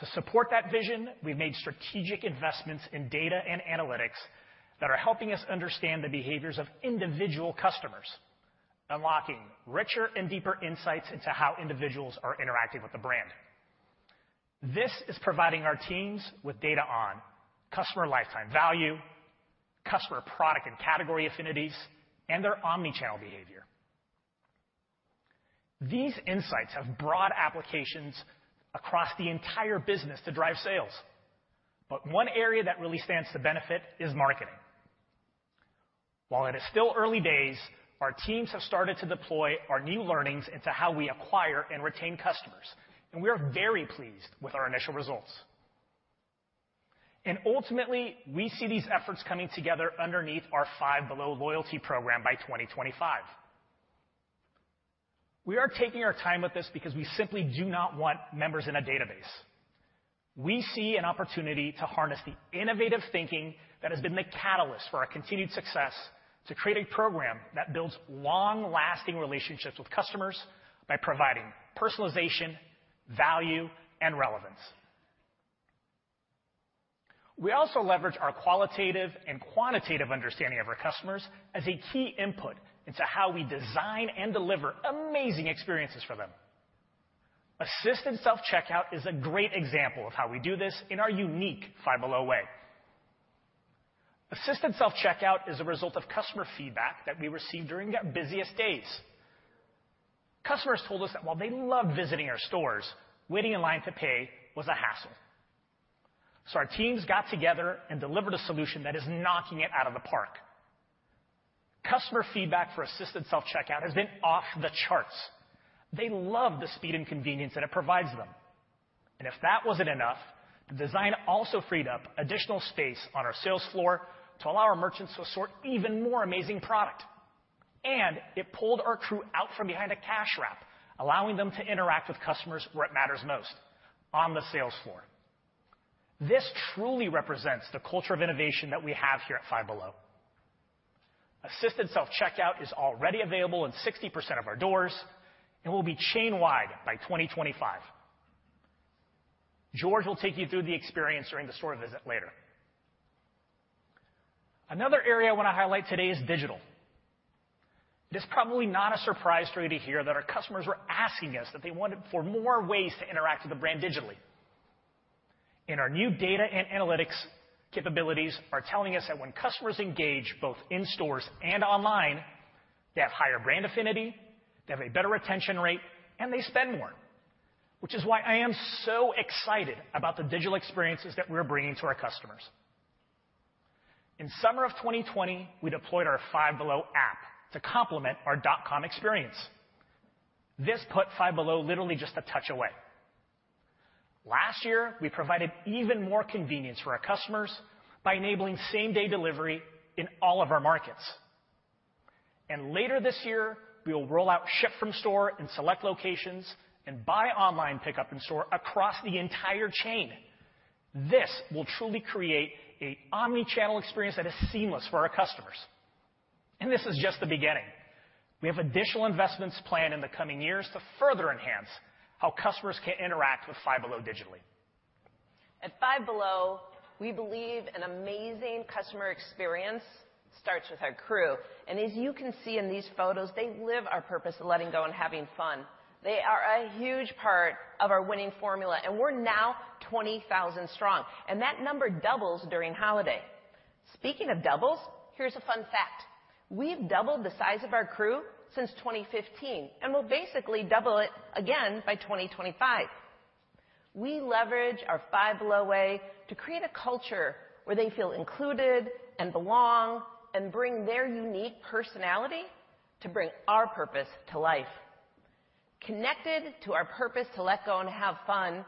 To support that vision, we made strategic investments in data and analytics that are helping us understand the behaviors of individual customers, unlocking richer and deeper insights into how individuals are interacting with the brand. This is providing our teams with data on customer lifetime value, customer product and category affinities, and their omni-channel behavior. These insights have broad applications across the entire business to drive sales, but one area that really stands to benefit is marketing. While it is still early days, our teams have started to deploy our new learnings into how we acquire and retain customers, and we are very pleased with our initial results. Ultimately, we see these efforts coming together underneath our Five Below loyalty program by 2025. We are taking our time with this because we simply do not want members in a database. We see an opportunity to harness the innovative thinking that has been the catalyst for our continued success to create a program that builds long-lasting relationships with customers by providing personalization, value, and relevance. We also leverage our qualitative and quantitative understanding of our customers as a key input into how we design and deliver amazing experiences for them. Assisted self-checkout is a great example of how we do this in our unique Five Below way. Assisted self-checkout is a result of customer feedback that we received during our busiest days. Customers told us that while they love visiting our stores, waiting in line to pay was a hassle. Our teams got together and delivered a solution that is knocking it out of the park. Customer feedback for assisted self-checkout has been off the charts. They love the speed and convenience that it provides them. If that wasn't enough, the design also freed up additional space on our sales floor to allow our merchants to assort even more amazing product. It pulled our crew out from behind a cash wrap, allowing them to interact with customers where it matters most, on the sales floor. This truly represents the culture of innovation that we have here at Five Below. Assisted self-checkout is already available in 60% of our doors and will be chain-wide by 2025. George will take you through the experience during the store visit later. Another area I wanna highlight today is digital. It is probably not a surprise for you to hear that our customers are asking us that they want for more ways to interact with the brand digitally. Our new data and analytics capabilities are telling us that when customers engage both in stores and online, they have higher brand affinity, they have a better retention rate, and they spend more. Which is why I am so excited about the digital experiences that we're bringing to our customers. In summer of 2020, we deployed our Five Below app to complement our dot-com experience. This put Five Below literally just a touch away. Last year, we provided even more convenience for our customers by enabling same-day delivery in all of our markets. Later this year, we will roll out ship from store in select locations and buy online pickup in store across the entire chain. This will truly create an omni-channel experience that is seamless for our customers. This is just the beginning. We have additional investments planned in the coming years to further enhance how customers can interact with Five Below digitally. At Five Below, we believe an amazing customer experience starts with our crew. As you can see in these photos, they live our purpose of letting go and having fun. They are a huge part of our winning formula, and we're now 20,000 strong, and that number doubles during holiday. Speaking of doubles, here's a fun fact. We've doubled the size of our crew since 2015, and we'll basically double it again by 2025. We leverage our Five Below way to create a culture where they feel included and belong and bring their unique personality to bring our purpose to life. Connected to our purpose to let go and have fun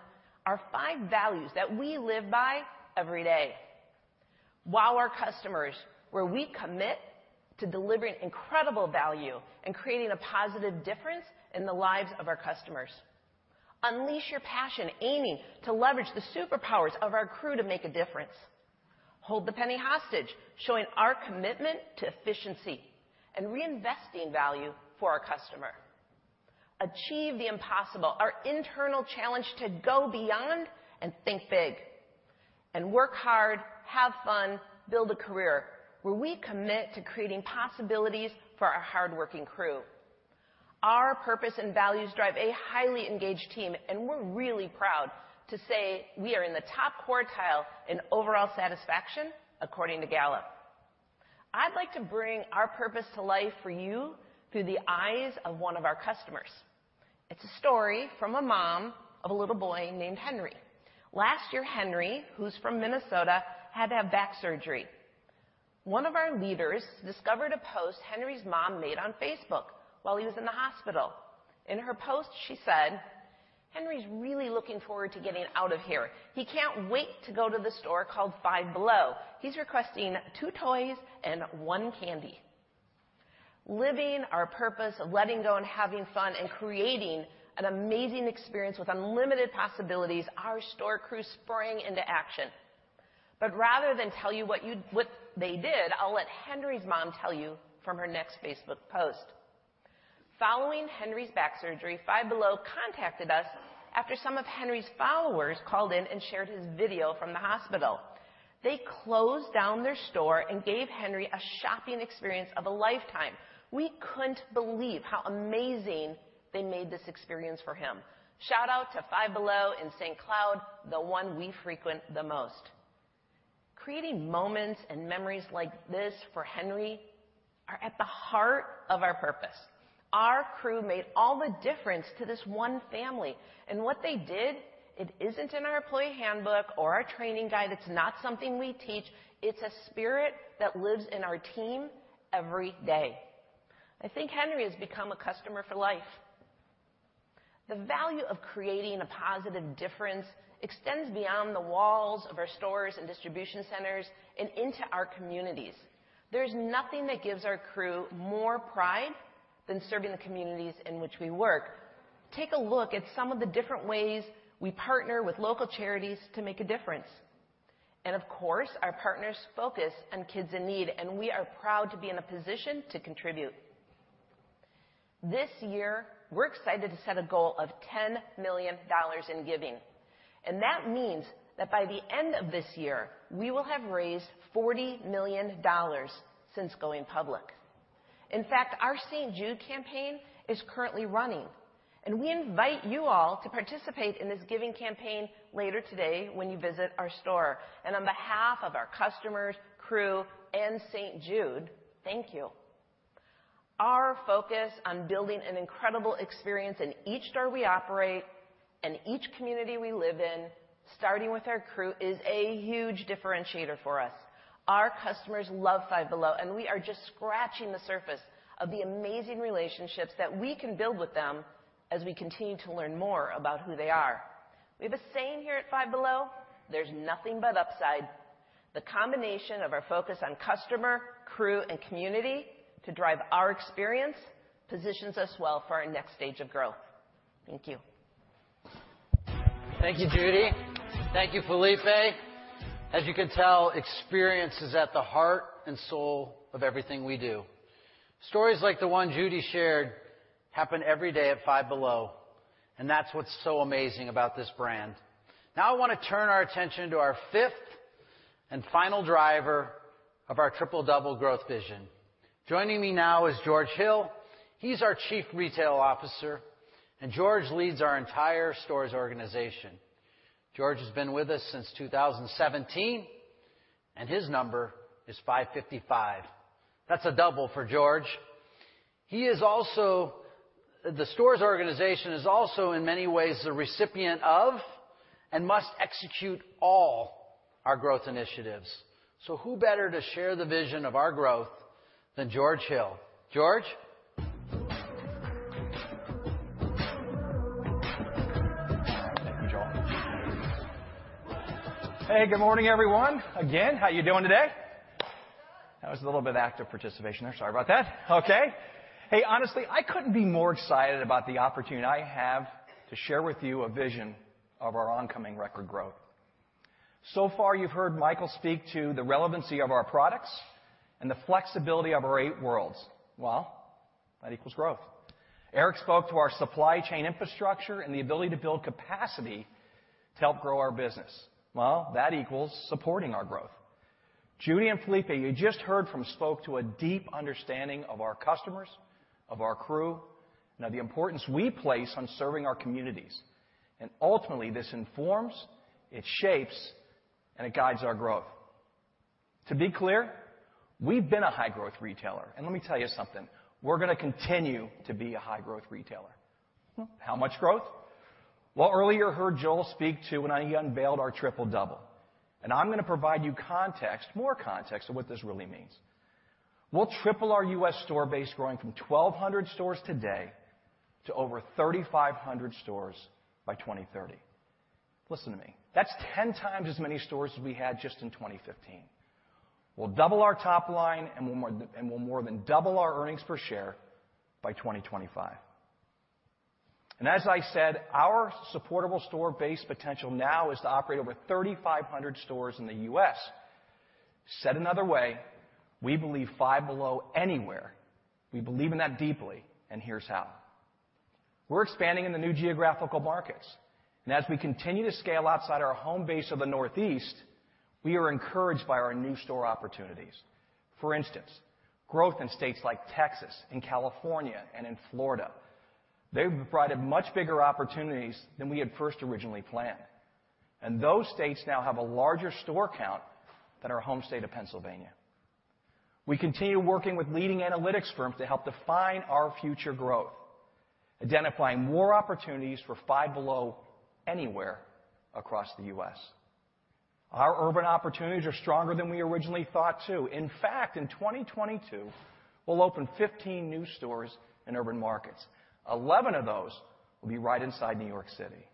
are five values that we live by every day. Wow our customers, where we commit to delivering incredible value and creating a positive difference in the lives of our customers. Unleash your passion, aiming to leverage the superpowers of our crew to make a difference. Hold the penny hostage, showing our commitment to efficiency and reinvesting value for our customer. Achieve the impossible, our internal challenge to go beyond and think big. Work hard, have fun, build a career, where we commit to creating possibilities for our hardworking crew. Our purpose and values drive a highly engaged team, and we're really proud to say we are in the top quartile in overall satisfaction according to Gallup. I'd like to bring our purpose to life for you through the eyes of one of our customers. It's a story from a mom of a little boy named Henry. Last year, Henry, who's from Minnesota, had to have back surgery. One of our leaders discovered a post Henry's mom made on Facebook while he was in the hospital. In her post, she said, "Henry's really looking forward to getting out of here. He can't wait to go to the store called Five Below. He's requesting two toys and one candy." Living our purpose of letting go and having fun and creating an amazing experience with unlimited possibilities, our store crew sprang into action. Rather than tell you what they did, I'll let Henry's mom tell you from her next Facebook post. "Following Henry's back surgery, Five Below contacted us after some of Henry's followers called in and shared his video from the hospital. They closed down their store and gave Henry a shopping experience of a lifetime. We couldn't believe how amazing they made this experience for him. Shout out to Five Below in St. Cloud, the one we frequent the most." Creating moments and memories like this for Henry are at the heart of our purpose. Our crew made all the difference to this one family. What they did, it isn't in our employee handbook or our training guide. It's not something we teach. It's a spirit that lives in our team every day. I think Henry has become a customer for life. The value of creating a positive difference extends beyond the walls of our stores and distribution centers and into our communities. There's nothing that gives our crew more pride than serving the communities in which we work. Take a look at some of the different ways we partner with local charities to make a difference. Of course, our partners focus on kids in need, and we are proud to be in a position to contribute. This year, we're excited to set a goal of $10 million in giving, and that means that by the end of this year, we will have raised $40 million since going public. In fact, our St. Jude campaign is currently running, and we invite you all to participate in this giving campaign later today when you visit our store. On behalf of our customers, crew, and St. Jude, thank you. Our focus on building an incredible experience in each store we operate and each community we live in, starting with our crew, is a huge differentiator for us. Our customers love Five Below, and we are just scratching the surface of the amazing relationships that we can build with them as we continue to learn more about who they are. We have a saying here at Five Below, "There's nothing but upside." The combination of our focus on customer, crew, and community to drive our experience positions us well for our next stage of growth. Thank you. Thank you, Judy. Thank you, Felipe. As you can tell, experience is at the heart and soul of everything we do. Stories like the one Judy shared happen every day at Five Below, and that's what's so amazing about this brand. Now I wanna turn our attention to our fifth and final driver of our Triple-Double growth vision. Joining me now is George Hill. He's our Chief Retail Officer, and George leads our entire stores organization. George has been with us since 2017, and his number is 555. That's a double for George. The stores organization is also, in many ways, the recipient of and must execute all our growth initiatives. Who better to share the vision of our growth than George Hill? George? Thank you, Joel. Hey, good morning, everyone. Again, how you doing today? That was a little bit of active participation there. Sorry about that. Okay. Hey, honestly, I couldn't be more excited about the opportunity I have to share with you a vision of our oncoming record growth. So far, you've heard Michael speak to the relevancy of our products and the flexibility of our eight worlds. Well, that equals growth. Eric spoke to our supply chain infrastructure and the ability to build capacity to help grow our business. Well, that equals supporting our growth. Judy and Felipe, you just heard from, spoke to a deep understanding of our customers, of our crew, and of the importance we place on serving our communities. Ultimately, this informs, it shapes, and it guides our growth. To be clear, we've been a high-growth retailer, and let me tell you something, we're gonna continue to be a high-growth retailer. How much growth? Well, earlier you heard Joel speak to when he unveiled our Triple-Double, and I'm gonna provide you context, more context to what this really means. We'll triple our U.S. store base growing from 1,200 stores today to over 3,500 stores by 2030. Listen to me. That's 10x as many stores as we had just in 2015. We'll double our top line, and we'll more than double our earnings per share by 2025. As I said, our supportable store base potential now is to operate over 3,500 stores in the U.S. Said another way, we believe Five Below Anywhere. We believe in that deeply, and here's how. We're expanding in the new geographical markets, and as we continue to scale outside our home base of the Northeast, we are encouraged by our new store opportunities. For instance, growth in states like Texas and California and in Florida, they've provided much bigger opportunities than we had first originally planned. Those states now have a larger store count than our home state of Pennsylvania. We continue working with leading analytics firms to help define our future growth, identifying more opportunities for Five Below Anywhere across the U.S. Our urban opportunities are stronger than we originally thought, too. In fact, in 2022, we'll open 15 new stores in urban markets. 11 of those will be right inside New York City.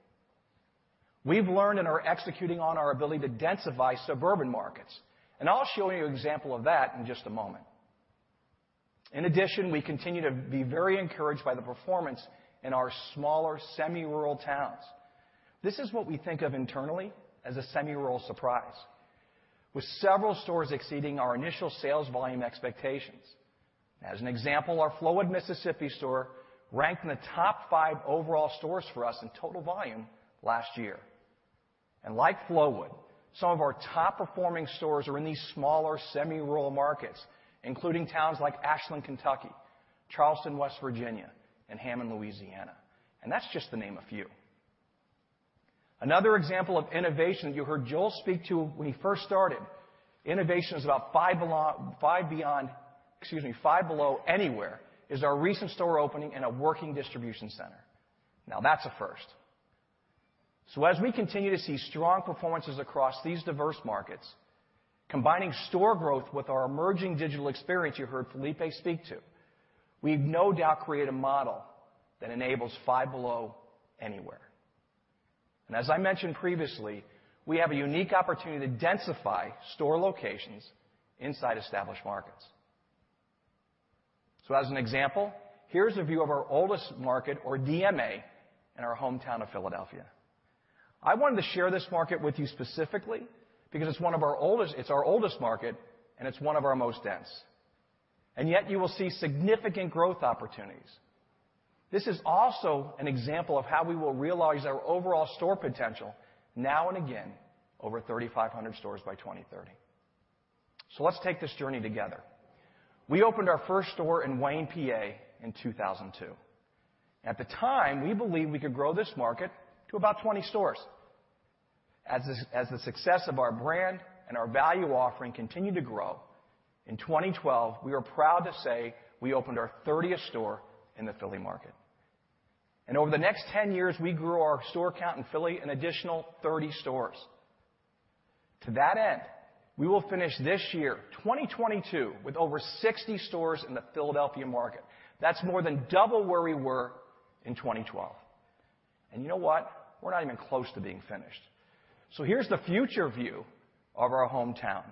We've learned and are executing on our ability to densify suburban markets, and I'll show you an example of that in just a moment. In addition, we continue to be very encouraged by the performance in our smaller semi-rural towns. This is what we think of internally as a semi-rural surprise, with several stores exceeding our initial sales volume expectations. As an example, our Flowood, Mississippi store ranked in the top five overall stores for us in total volume last year. Like Flowood, some of our top-performing stores are in these smaller semi-rural markets, including towns like Ashland, Kentucky, Charleston, West Virginia, and Hammond, Louisiana. That's just to name a few. Another example of innovation you heard Joel speak to when he first started. Innovation is about Five Below Anywhere, our recent store opening in a working distribution center. Now that's a first. As we continue to see strong performances across these diverse markets, combining store growth with our emerging digital experience you heard Felipe speak to, we've no doubt created a model that enables Five Below Anywhere. As I mentioned previously, we have a unique opportunity to densify store locations inside established markets. As an example, here's a view of our oldest market or DMA in our hometown of Philadelphia. I wanted to share this market with you specifically because it's our oldest market, and it's one of our most dense. Yet you will see significant growth opportunities. This is also an example of how we will realize our overall store potential now and again, over 3,500 stores by 2030. Let's take this journey together. We opened our first store in Wayne, PA in 2002. At the time, we believed we could grow this market to about 20 stores. As the success of our brand and our value offering continued to grow, in 2012, we are proud to say we opened our 30th store in the Philly market. Over the next 10 years, we grew our store count in Philly an additional 30 stores. To that end, we will finish this year, 2022, with over 60 stores in the Philadelphia market. That's more than double where we were in 2012. You know what? We're not even close to being finished. Here's the future view of our hometown.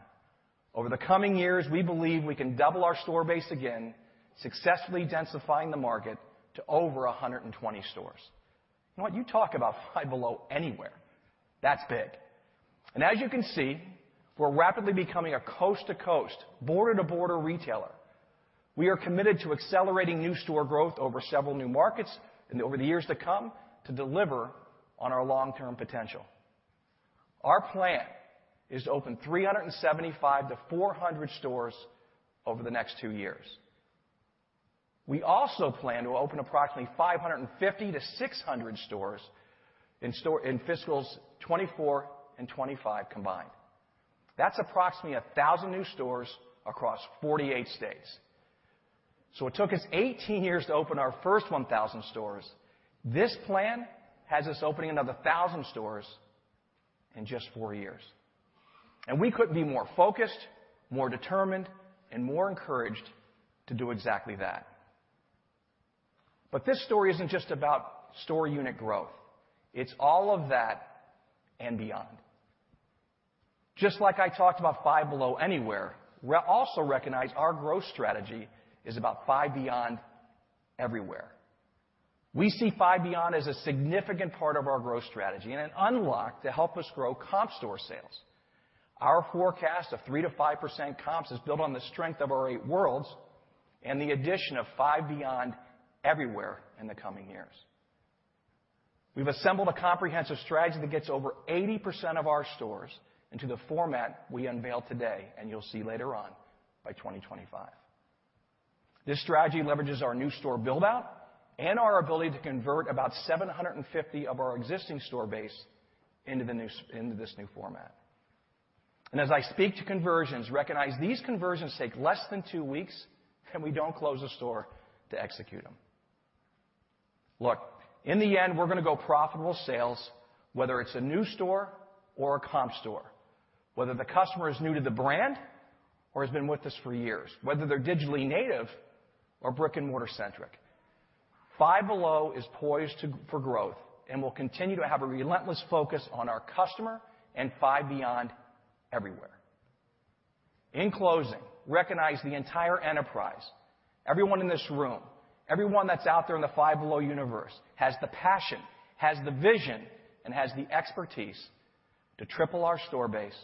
Over the coming years, we believe we can double our store base again, successfully densifying the market to over 120 stores. You know what? You talk about Five Below Anywhere. That's big. As you can see, we're rapidly becoming a coast-to-coast, border-to-border retailer. We are committed to accelerating new store growth over several new markets and over the years to come to deliver on our long-term potential. Our plan is to open 375-400 stores over the next two years. We also plan to open approximately 550-600 stores in fiscals 2024 and 2025 combined. That's approximately 1,000 new stores across 48 states. It took us 18 years to open our first 1,000 stores. This plan has us opening another 1,000 stores in just four years. We couldn't be more focused, more determined, and more encouraged to do exactly that. This story isn't just about store unit growth. It's all of that and beyond. Just like I talked about Five Below Anywhere, we also recognize our growth strategy is about Five Beyond Everywhere. We see Five Beyond as a significant part of our growth strategy and an unlock to help us grow comp store sales. Our forecast of 3%-5% comps is built on the strength of our eight worlds and the addition of Five Beyond Everywhere in the coming years. We've assembled a comprehensive strategy that gets over 80% of our stores into the format we unveil today and you'll see later on by 2025. This strategy leverages our new store build-out and our ability to convert about 750 of our existing store base into this new format. As I speak to conversions, recognize these conversions take less than two weeks, and we don't close the store to execute them. Look, in the end, we're gonna go profitable sales, whether it's a new store or a comp store, whether the customer is new to the brand or has been with us for years, whether they're digitally native or brick-and-mortar centric. Five Below is poised for growth and will continue to have a relentless focus on our customer and Five Beyond Everywhere. In closing, recognize the entire enterprise, everyone in this room, everyone that's out there in the Five Below universe has the passion, has the vision, and has the expertise to triple our store base,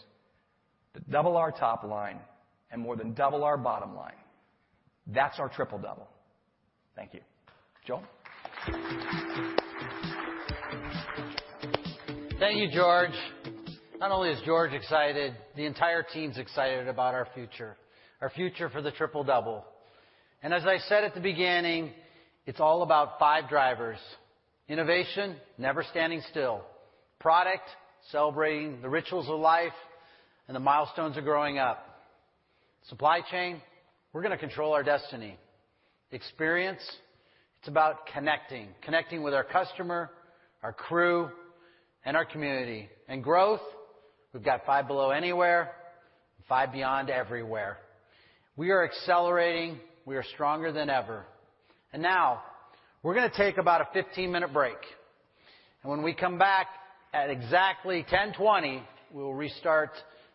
to double our top line, and more than double our bottom line. That's our Triple-Double. Thank you. Joel? Thank you, George. Not only is George excited, the entire team's excited about our future, our future for the Triple-Double. As I said at the beginning, it's all about five drivers. Innovation, never standing still. Product, celebrating the rituals of life and the milestones of growing up. Supply chain, we're gonna control our destiny. Experience, it's about connecting, connecting with our customer, our crew, and our community. Growth, we've got Five Below Anywhere, Five Beyond Everywhere. We are accelerating. We are stronger than ever. Now we're gonna take about a 15-minute break, and when we come back at exactly 10:20 A.M., we will restart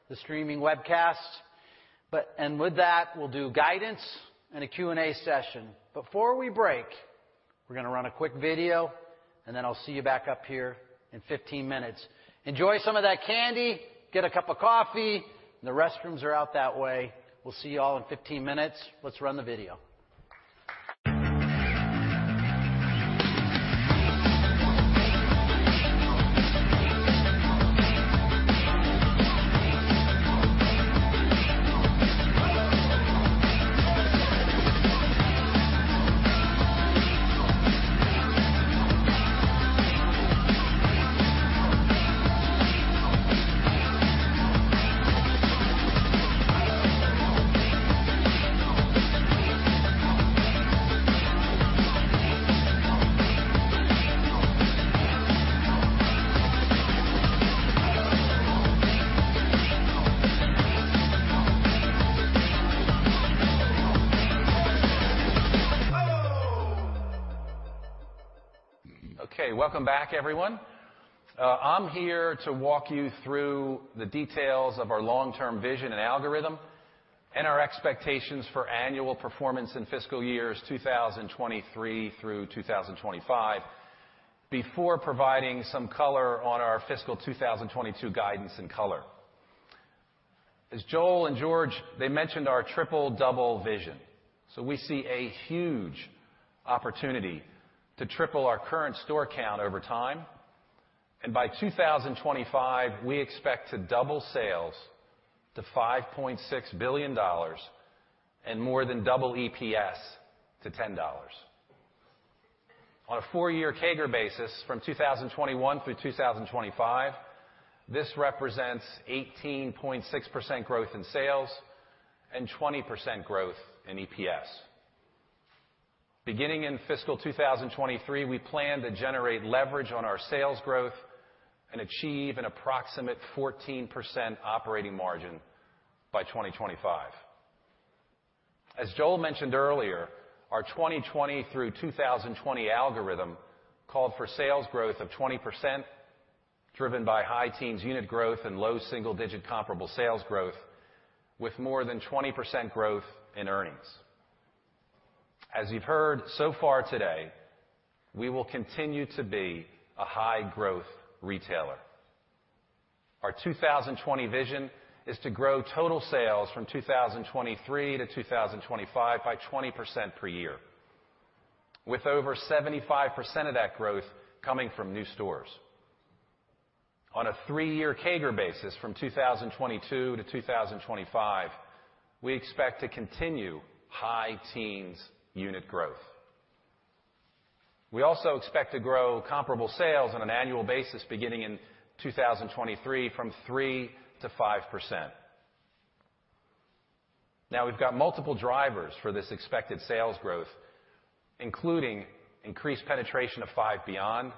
the streaming webcast. With that, we'll do guidance and a Q&A session. Before we break, we're gonna run a quick video, and then I'll see you back up here in 15 minutes. Enjoy some of that candy, get a cup of coffee. The restrooms are out that way. We'll see you all in 15 minutes. Let's run the video. Okay, welcome back, everyone. I'm here to walk you through the details of our long-term vision and algorithm and our expectations for annual performance in fiscal years 2023 through 2025 before providing some color on our fiscal 2022 guidance and color. As Joel and George, they mentioned our Triple-Double vision, so we see a huge opportunity to triple our current store count over time. By 2025, we expect to double sales to $5.6 billion and more than double EPS to $10. On a four-year CAGR basis from 2021 through 2025, this represents 18.6% growth in sales and 20% growth in EPS. Beginning in fiscal 2023, we plan to generate leverage on our sales growth and achieve an approximate 14% operating margin by 2025. As Joel mentioned earlier, our 20/20 Through 2020 algorithm called for sales growth of 20%, driven by high teens unit growth and low single-digit comparable sales growth with more than 20% growth in earnings. As you've heard so far today, we will continue to be a high growth retailer. Our 2020 vision is to grow total sales from 2023 to 2025 by 20% per year, with over 75% of that growth coming from new stores. On a three-year CAGR basis from 2022 to 2025, we expect to continue high teens unit growth. We also expect to grow comparable sales on an annual basis beginning in 2023 from 3%-5%. Now we've got multiple drivers for this expected sales growth, including increased penetration of Five Beyond,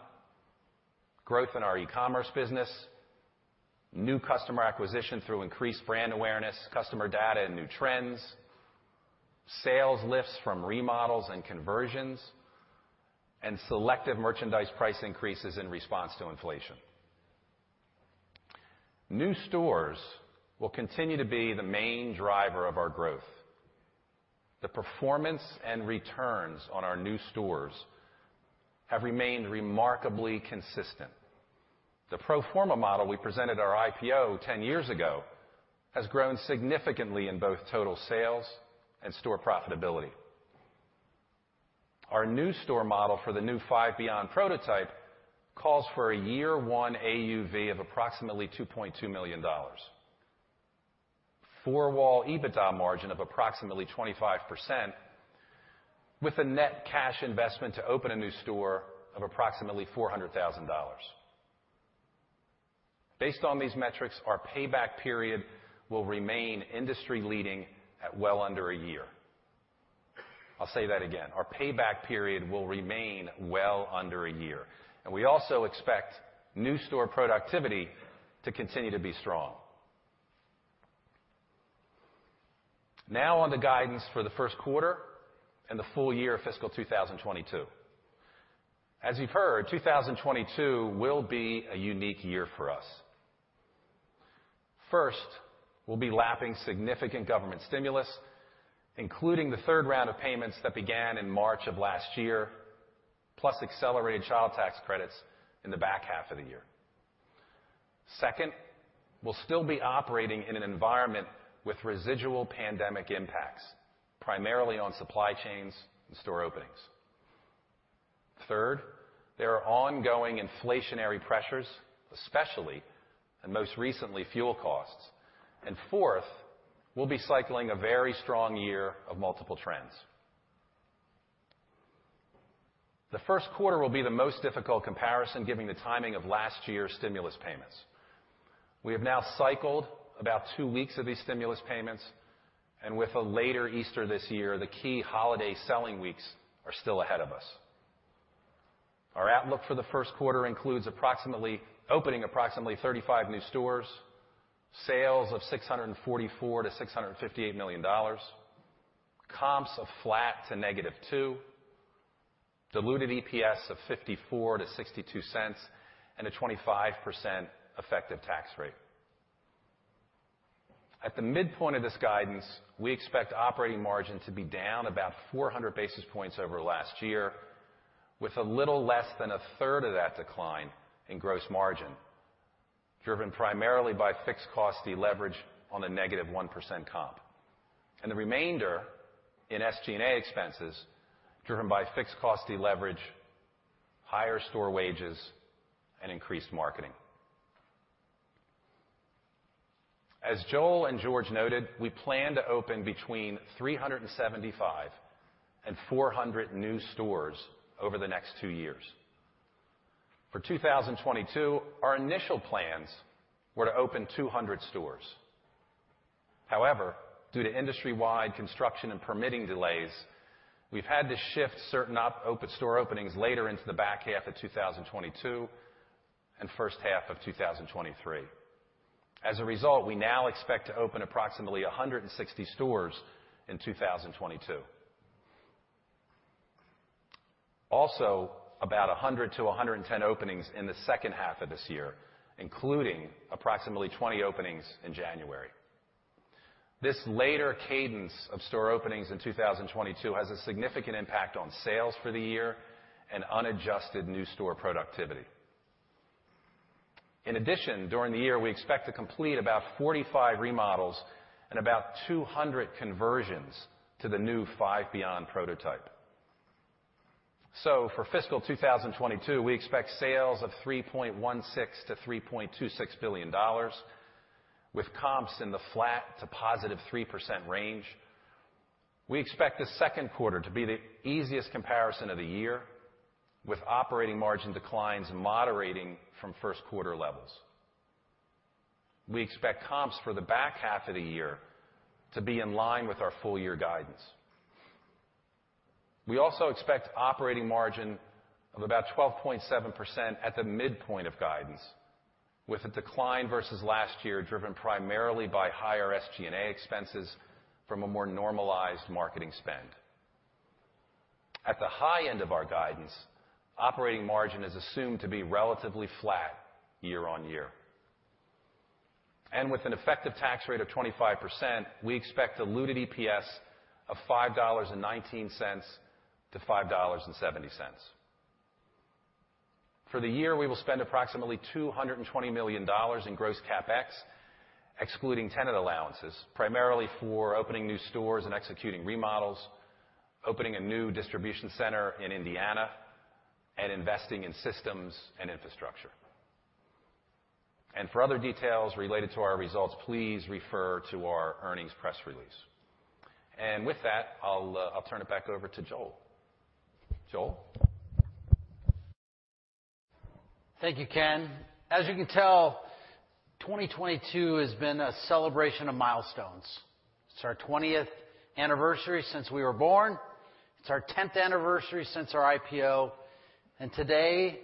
growth in our e-commerce business, new customer acquisition through increased brand awareness, customer data, and new trends, sales lifts from remodels and conversions, and selective merchandise price increases in response to inflation. New stores will continue to be the main driver of our growth. The performance and returns on our new stores have remained remarkably consistent. The pro forma model we presented at our IPO 10 years ago has grown significantly in both total sales and store profitability. Our new store model for the new Five Beyond prototype calls for a year 1 AUV of approximately $2.2 million, four-wall EBITDA margin of approximately 25% with a net cash investment to open a new store of approximately $400,000. Based on these metrics, our payback period will remain industry-leading at well under a year. I'll say that again. Our payback period will remain well under a year, and we also expect new store productivity to continue to be strong. Now on to guidance for the first quarter and the full year of fiscal 2022. As you've heard, 2022 will be a unique year for us. First, we'll be lapping significant government stimulus, including the third round of payments that began in March of last year, plus accelerated child tax credits in the back half of the year. Second, we'll still be operating in an environment with residual pandemic impacts, primarily on supply chains and store openings. Third, there are ongoing inflationary pressures, especially and most recently, fuel costs. Fourth, we'll be cycling a very strong year of multiple trends. The first quarter will be the most difficult comparison given the timing of last year's stimulus payments. We have now cycled about two weeks of these stimulus payments, and with a later Easter this year, the key holiday selling weeks are still ahead of us. Our outlook for the first quarter includes opening approximately 35 new stores, sales of $644 million-$658 million, comps of flat to -2%, diluted EPS of $0.54-$0.62, and a 25% effective tax rate. At the midpoint of this guidance, we expect operating margin to be down about 400 basis points over last year, with a little less than 1/3 of that decline in gross margin, driven primarily by fixed cost deleverage on a -1% comp, and the remainder in SG&A expenses, driven by fixed cost deleverage, higher store wages, and increased marketing. As Joel and George noted, we plan to open between 375 and 400 new stores over the next two years. For 2022, our initial plans were to open 200 stores. However, due to industry-wide construction and permitting delays, we've had to shift certain open store openings later into the back half of 2022 and first half of 2023. As a result, we now expect to open approximately 160 stores in 2022. Also about 100-110 openings in the second half of this year, including approximately 20 openings in January. This later cadence of store openings in 2022 has a significant impact on sales for the year and unadjusted new store productivity. In addition, during the year, we expect to complete about 45 remodels and about 200 conversions to the new Five Beyond prototype. For fiscal 2022, we expect sales of $3.16 billion-$3.26 billion with comps in the flat to +3% range. We expect the second quarter to be the easiest comparison of the year, with operating margin declines moderating from first quarter levels. We expect comps for the back half of the year to be in line with our full year guidance. We also expect operating margin of about 12.7% at the midpoint of guidance, with a decline versus last year driven primarily by higher SG&A expenses from a more normalized marketing spend. At the high end of our guidance, operating margin is assumed to be relatively flat year-on-year. With an effective tax rate of 25%, we expect diluted EPS of $5.19-$5.70. For the year, we will spend approximately $220 million in gross CapEx, excluding tenant allowances, primarily for opening new stores and executing remodels, opening a new distribution center in Indiana and investing in systems and infrastructure. For other details related to our results, please refer to our earnings press release. With that, I'll turn it back over to Joel. Joel? Thank you, Ken. As you can tell, 2022 has been a celebration of milestones. It's our 20th anniversary since we were born. It's our 10th anniversary since our IPO. Today,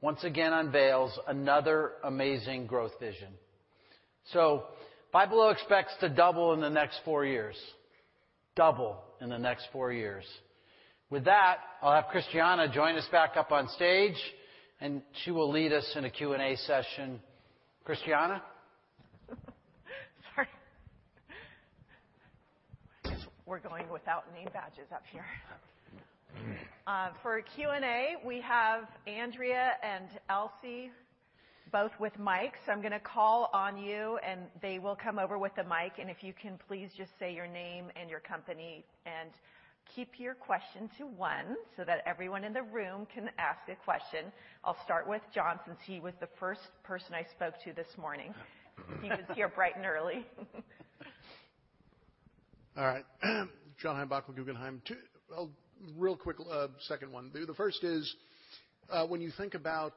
once again unveils another amazing growth vision. So, Five Below expects to double in the next four years. Double in the next four years. With that, I'll have Christiane join us back up on stage, and she will lead us in a Q&A session. Christiane? Sorry. I guess we're going without name badges up here. For Q&A, we have Andrea and Elsie, both with mics. I'm gonna call on you, and they will come over with the mic, and if you can please just say your name and your company and keep your question to one so that everyone in the room can ask a question. I'll start with John since he was the first person I spoke to this morning. He was here bright and early. All right. John Heinbockel with Guggenheim. Two real quick, second one. The first is, when you think about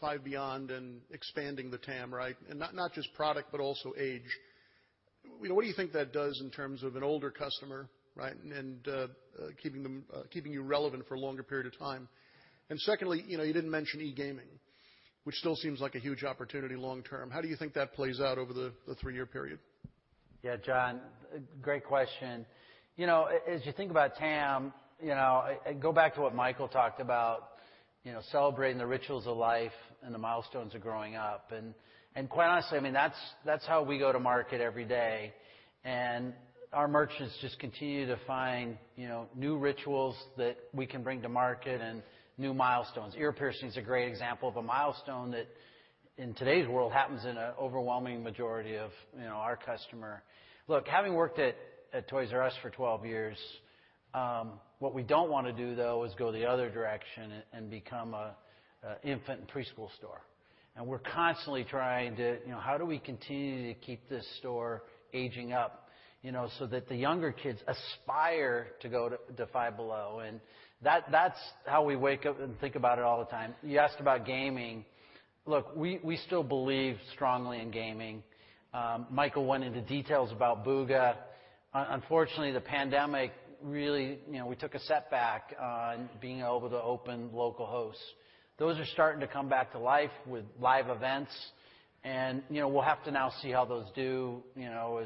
Five Beyond and expanding the TAM, right, and not just product, but also age, you know, what do you think that does in terms of an older customer, right? Keeping you relevant for a longer period of time. Secondly, you know, you didn't mention e-gaming, which still seems like a huge opportunity long term. How do you think that plays out over the three-year period? Yeah, John, great question. You know, as you think about TAM, you know, go back to what Michael talked about, you know, celebrating the rituals of life and the milestones of growing up. Quite honestly, I mean, that's how we go to market every day. Our merchants just continue to find, you know, new rituals that we can bring to market and new milestones. Ear piercing is a great example of a milestone that in today's world happens in an overwhelming majority of, you know, our customer. Look, having worked at Toys"R"Us for 12 years, what we don't wanna do, though, is go the other direction and become a infant and preschool store. We're constantly trying to, you know, how do we continue to keep this store aging up, you know, so that the younger kids aspire to go to Five Below. That's how we wake up and think about it all the time. You asked about gaming. Look, we still believe strongly in gaming. Michael went into details about Bugha. Unfortunately, the pandemic really, you know, we took a setback on being able to open local hosts. Those are starting to come back to life with live events and, you know, we'll have to now see how those do, you know.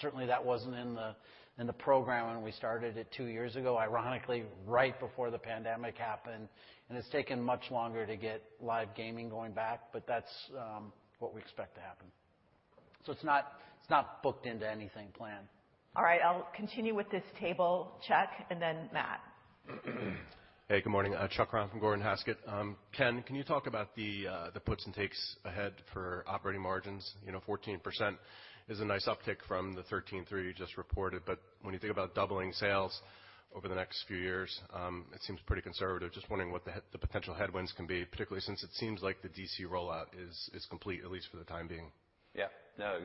Certainly that wasn't in the program when we started it two years ago, ironically, right before the pandemic happened, and it's taken much longer to get live gaming going back, but that's what we expect to happen. It's not booked into anything planned. All right, I'll continue with this table. Chuck and then Matt. Hey, good morning. Chuck Grom from Gordon Haskett. Ken, can you talk about the puts and takes ahead for operating margins? You know, 14% is a nice uptick from the 13.3% you just reported. When you think about doubling sales over the next few years, it seems pretty conservative. Just wondering what the potential headwinds can be, particularly since it seems like the DC rollout is complete, at least for the time being. Yeah. No,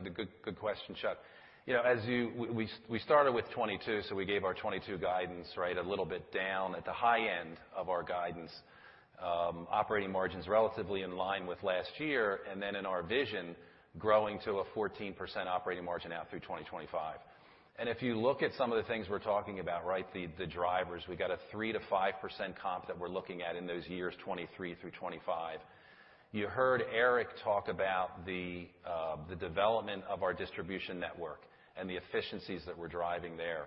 good question, Chuck. You know, we started with 2022, so we gave our 2022 guidance, right, a little bit down at the high end of our guidance. Operating margin's relatively in line with last year, and then in our vision, growing to a 14% operating margin out through 2025. If you look at some of the things we're talking about, right, the drivers, we got a 3%-5% comp that we're looking at in those years, 2023 through 2025. You heard Eric talk about the development of our distribution network and the efficiencies that we're driving there.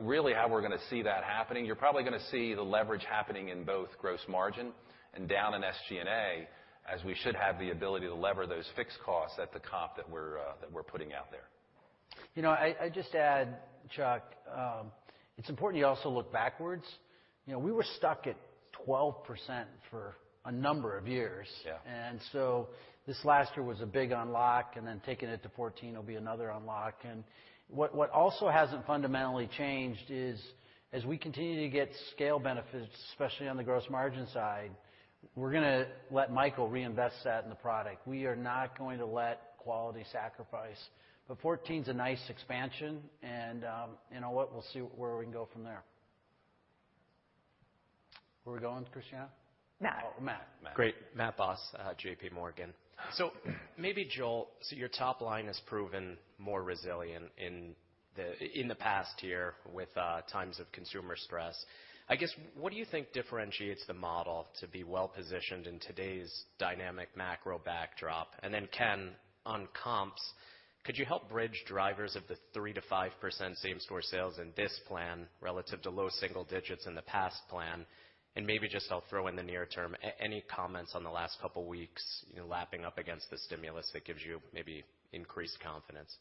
Really, how we're gonna see that happening, you're probably gonna see the leverage happening in both gross margin and down in SG&A, as we should have the ability to lever those fixed costs at the comp that we're putting out there. You know, I just add, Chuck, it's important you also look backwards. You know, we were stuck at 12% for a number of years. This last year was a big unlock, and then taking it to 14% will be another unlock. What also hasn't fundamentally changed is, as we continue to get scale benefits, especially on the gross margin side, we're gonna let Michael reinvest that in the product. We are not going to let quality sacrifice. 14's a nice expansion and, you know what, we'll see where we can go from there. Where are we going, Christiane? Matt. Oh, Matt. Matt. Great. Matt Boss, JPMorgan. Maybe Joel, your top line has proven more resilient in the past year with times of consumer stress. I guess, what do you think differentiates the model to be well-positioned in today's dynamic macro backdrop? And then, Ken, on comps, could you help bridge drivers of the 3%-5% same store sales in this plan relative to low single digits in the past plan? And maybe just I'll throw in the near term, any comments on the last couple weeks, you know, lapping up against the stimulus that gives you maybe increased confidence.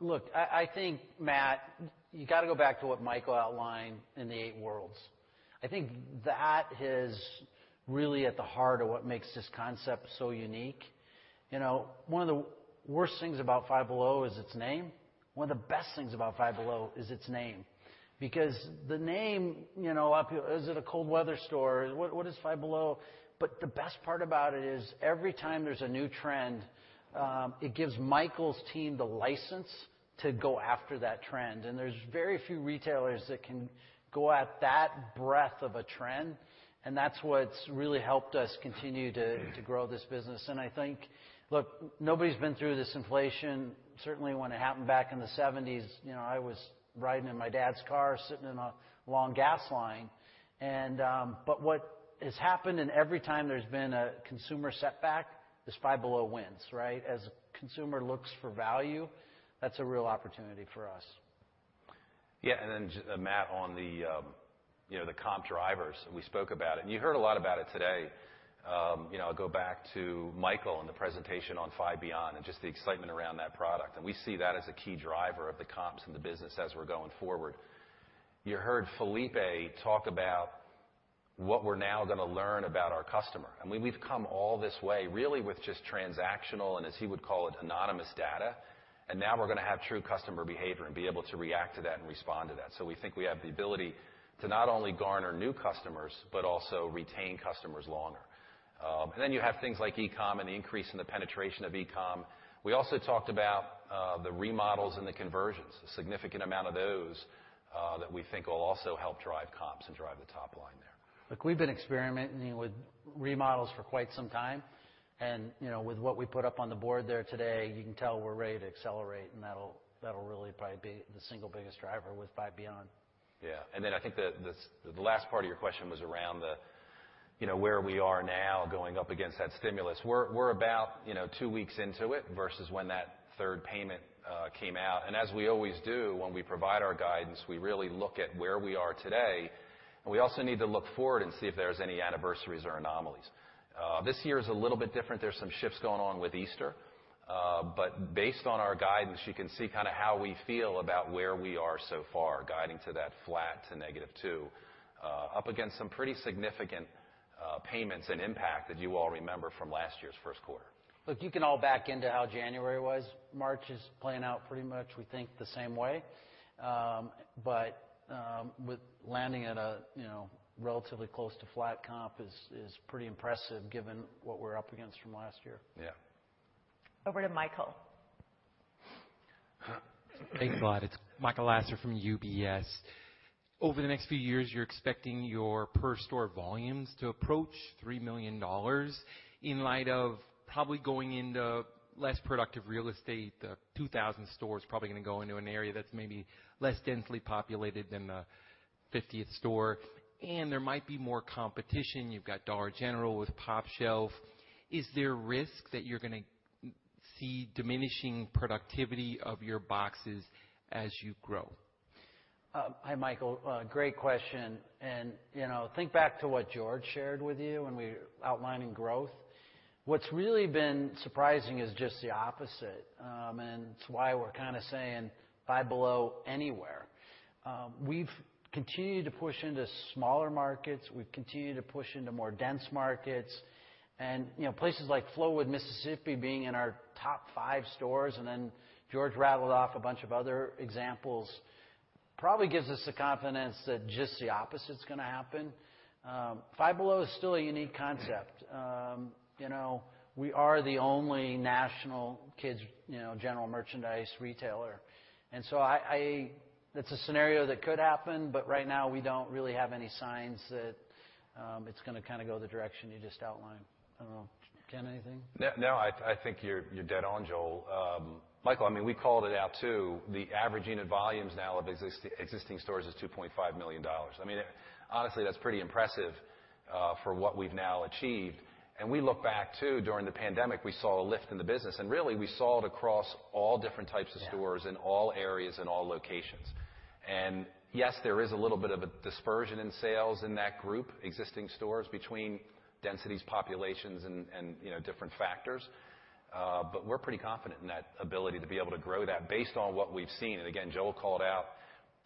Look, I think, Matt, you gotta go back to what Michael outlined in the eight worlds. I think that is really at the heart of what makes this concept so unique. You know, one of the worst things about Five Below is its name. One of the best things about Five Below is its name. Because the name, you know, a lot of people, "Is it a cold weather store? What is Five Below?" The best part about it is every time there's a new trend, it gives Michael's team the license to go after that trend. There's very few retailers that can go at that breadth of a trend, and that's what's really helped us continue to grow this business. I think, look, nobody's been through this inflation. Certainly, when it happened back in the '70s, you know, I was riding in my dad's car, sitting in a long gas line. But what has happened, and every time there's been a consumer setback is Five Below wins, right? As a consumer looks for value, that's a real opportunity for us. Yeah. Matt, on the comp drivers, we spoke about it and you heard a lot about it today. You know, go back to Michael and the presentation on Five Beyond and just the excitement around that product. We see that as a key driver of the comps and the business as we're going forward. You heard Felipe talk about what we're now gonna learn about our customer, and we've come all this way really with just transactional, and as he would call it, anonymous data. Now we're gonna have true customer behavior and be able to react to that and respond to that. We think we have the ability to not only garner new customers but also retain customers longer. You have things like e-com and the increase in the penetration of e-com. We also talked about the remodels and the conversions. A significant amount of those that we think will also help drive comps and drive the top line there. Look, we've been experimenting with remodels for quite some time. You know, with what we put up on the board there today, you can tell we're ready to accelerate, and that'll really probably be the single biggest driver with Five Beyond. Yeah. Then I think the last part of your question was around, you know, where we are now going up against that stimulus. We're about, you know, two weeks into it versus when that third payment came out. As we always do when we provide our guidance, we really look at where we are today, and we also need to look forward and see if there's any anniversaries or anomalies. This year is a little bit different. There's some shifts going on with Easter. Based on our guidance, you can see kind of how we feel about where we are so far, guiding to that flat to -2%, up against some pretty significant payments and impact that you all remember from last year's first quarter. Look, you can all back into how January was. March is playing out pretty much, we think, the same way with landing at a, you know, relatively close to flat comp is pretty impressive given what we're up against from last year. Yeah. Over to Michael. Thanks a lot. It's Michael Lasser from UBS. Over the next few years, you're expecting your per store volumes to approach $3 million in light of probably going into less productive real estate. The 2,000 stores probably gonna go into an area that's maybe less densely populated than the 50th store, and there might be more competition. You've got Dollar General with pOpshelf. Is there a risk that you're gonna see diminishing productivity of your boxes as you grow? Hi, Michael. Great question. You know, think back to what George shared with you when we were outlining growth. What's really been surprising is just the opposite. It's why we're kinda saying, "Five Below Anywhere." We've continued to push into smaller markets. We've continued to push into more dense markets. You know, places like Flowood, Mississippi, being in our top five stores, and then George rattled off a bunch of other examples, probably gives us the confidence that just the opposite's gonna happen. Five Below is still a unique concept. You know, we are the only national kids general merchandise retailer. That's a scenario that could happen, but right now we don't really have any signs that it's gonna kinda go the direction you just outlined. I don't know. Ken, anything? No, no. I think you're dead on, Joel. Michael, I mean, we called it out too. The average unit volumes now of existing stores is $2.5 million. I mean, honestly, that's pretty impressive for what we've now achieved. We look back too. During the pandemic, we saw a lift in the business, and really we saw it across all different types of stores in all areas and all locations. Yes, there is a little bit of a dispersion in sales in that group, existing stores, between densities, populations and, you know, different factors. But we're pretty confident in that ability to be able to grow that based on what we've seen. Again, Joel called out,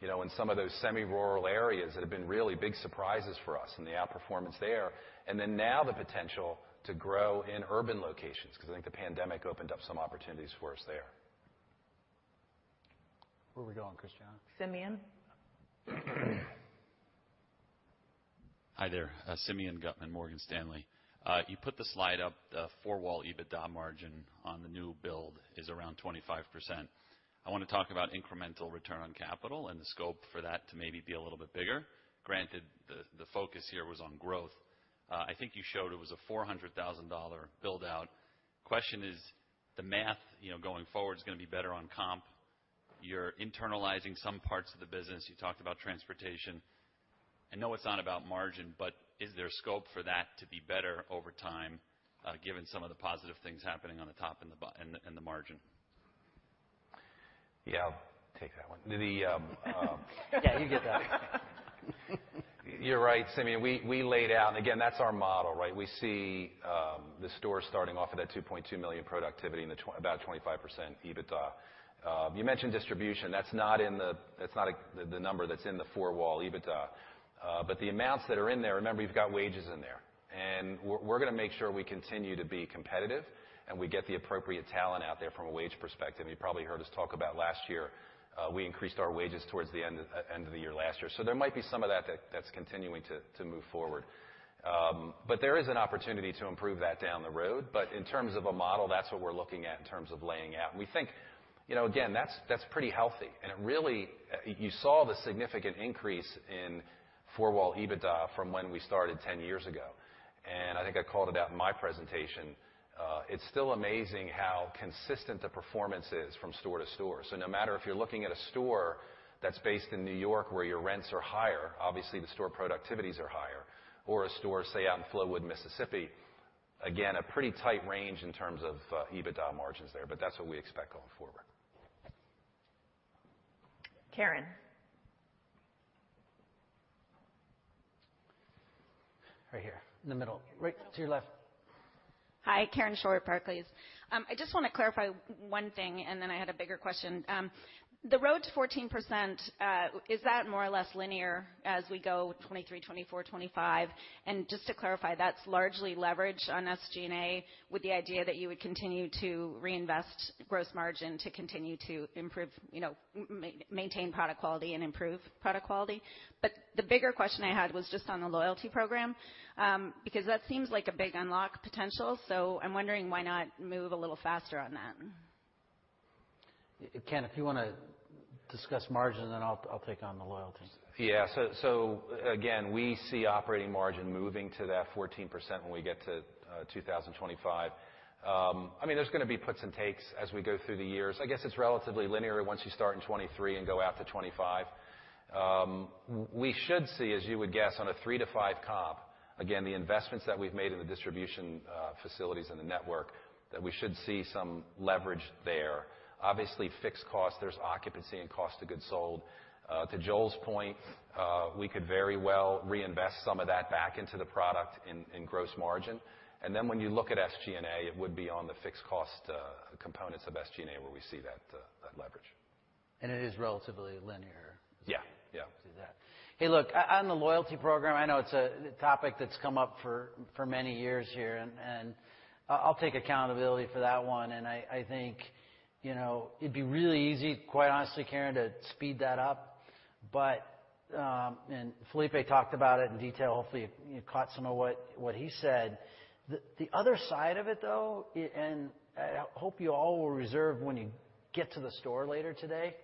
you know, in some of those semi-rural areas that have been really big surprises for us and the outperformance there. Then now the potential to grow in urban locations, because I think the pandemic opened up some opportunities for us there. Where are we going, Christiane? Simeon. Hi there. Simeon Gutman, Morgan Stanley. You put the slide up, the four-wall EBITDA margin on the new build is around 25%. I wanna talk about incremental return on capital and the scope for that to maybe be a little bit bigger. Granted, the focus here was on growth. I think you showed it was a $400,000 build out. Question is, the math, you know, going forward is gonna be better on comp. You're internalizing some parts of the business. You talked about transportation. I know it's not about margin, but is there scope for that to be better over time, given some of the positive things happening on the top and the margin? Yeah, I'll take that one. Yeah, you get that one. You're right, Simeon. We laid out. Again, that's our model, right? We see the stores starting off at that $2.2 million productivity and about 25% EBITDA. You mentioned distribution. That's not the number that's in the four-wall EBITDA. The amounts that are in there, remember you've got wages in there. We're gonna make sure we continue to be competitive. We get the appropriate talent out there from a wage perspective. You probably heard us talk about last year, we increased our wages towards the end of the year last year. There might be some of that that's continuing to move forward. There is an opportunity to improve that down the road. But in terms of a model, that's what we're looking at in terms of laying out. We think, you know, again, that's pretty healthy. It really, you saw the significant increase in four-wall EBITDA from when we started 10 years ago, and I think I called it out in my presentation. It's still amazing how consistent the performance is from store to store. No matter if you're looking at a store that's based in New York where your rents are higher, obviously the store productivities are higher, or a store, say, out in Flowood, Mississippi, again, a pretty tight range in terms of EBITDA margins there. That's what we expect going forward. Karen. Right here in the middle. Right to your left. Hi, Karen Short, Barclays. I just wanna clarify one thing, and then I had a bigger question. The road to 14%, is that more or less linear as we go 2023, 2024, 2025? Just to clarify, that's largely leverage on SG&A with the idea that you would continue to reinvest gross margin to continue to improve, you know, maintain product quality and improve product quality. The bigger question I had was just on the loyalty program, because that seems like a big unlock potential, so I'm wondering why not move a little faster on that. Ken, if you wanna discuss margin, and then I'll take on the loyalty. Again, we see operating margin moving to that 14% when we get to 2025. I mean, there's gonna be puts and takes as we go through the years. I guess it's relatively linear once you start in 2023 and go out to 2025. We should see, as you would guess, on a 3%-5% comp, again, the investments that we've made in the distribution facilities and the network, that we should see some leverage there. Obviously, fixed costs, there's occupancy and cost of goods sold. To Joel's point, we could very well reinvest some of that back into the product in gross margin. When you look at SG&A, it would be on the fixed cost components of SG&A where we see that leverage. It is relatively linear. Yeah, yeah. Hey, look, on the loyalty program, I know it's a topic that's come up for many years here, and I'll take accountability for that one. I think, you know, it'd be really easy, quite honestly, Karen, to speed that up. Felipe talked about it in detail. Hopefully you caught some of what he said. The other side of it, though, and I hope you all will observe when you get to the store later today,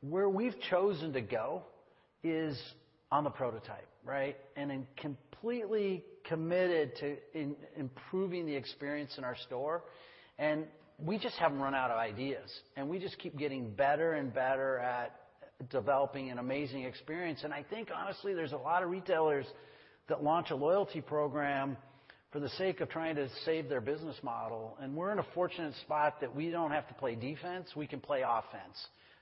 where we've chosen to go is on the prototype, right? I'm completely committed to improving the experience in our store, and we just haven't run out of ideas. We just keep getting better and better at developing an amazing experience. I think, honestly, there's a lot of retailers that launch a loyalty program for the sake of trying to save their business model. We're in a fortunate spot that we don't have to play defense. We can play offense.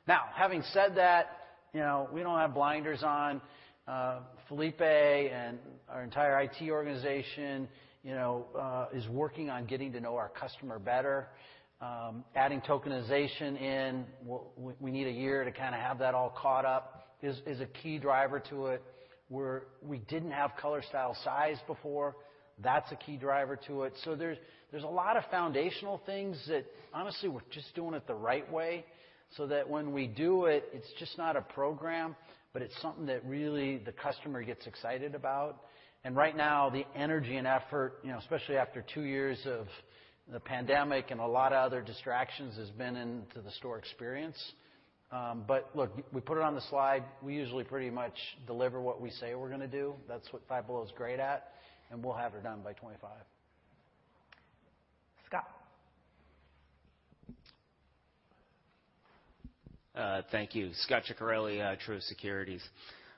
Now, having said that, you know, we don't have blinders on. Felipe and our entire IT organization, you know, is working on getting to know our customer better. Adding tokenization in, we need a year to kinda have that all caught up, is a key driver to it. We didn't have color, style, size before. That's a key driver to it. There's a lot of foundational things that, honestly, we're just doing it the right way so that when we do it's just not a program, but it's something that really the customer gets excited about. Right now, the energy and effort, you know, especially after two years of the pandemic and a lot of other distractions, has been into the store experience. Look, we put it on the slide. We usually pretty much deliver what we say we're gonna do. That's what Five Below is great at, and we'll have her done by 2025. Scot. Thank you. Scot Ciccarelli, Truist Securities.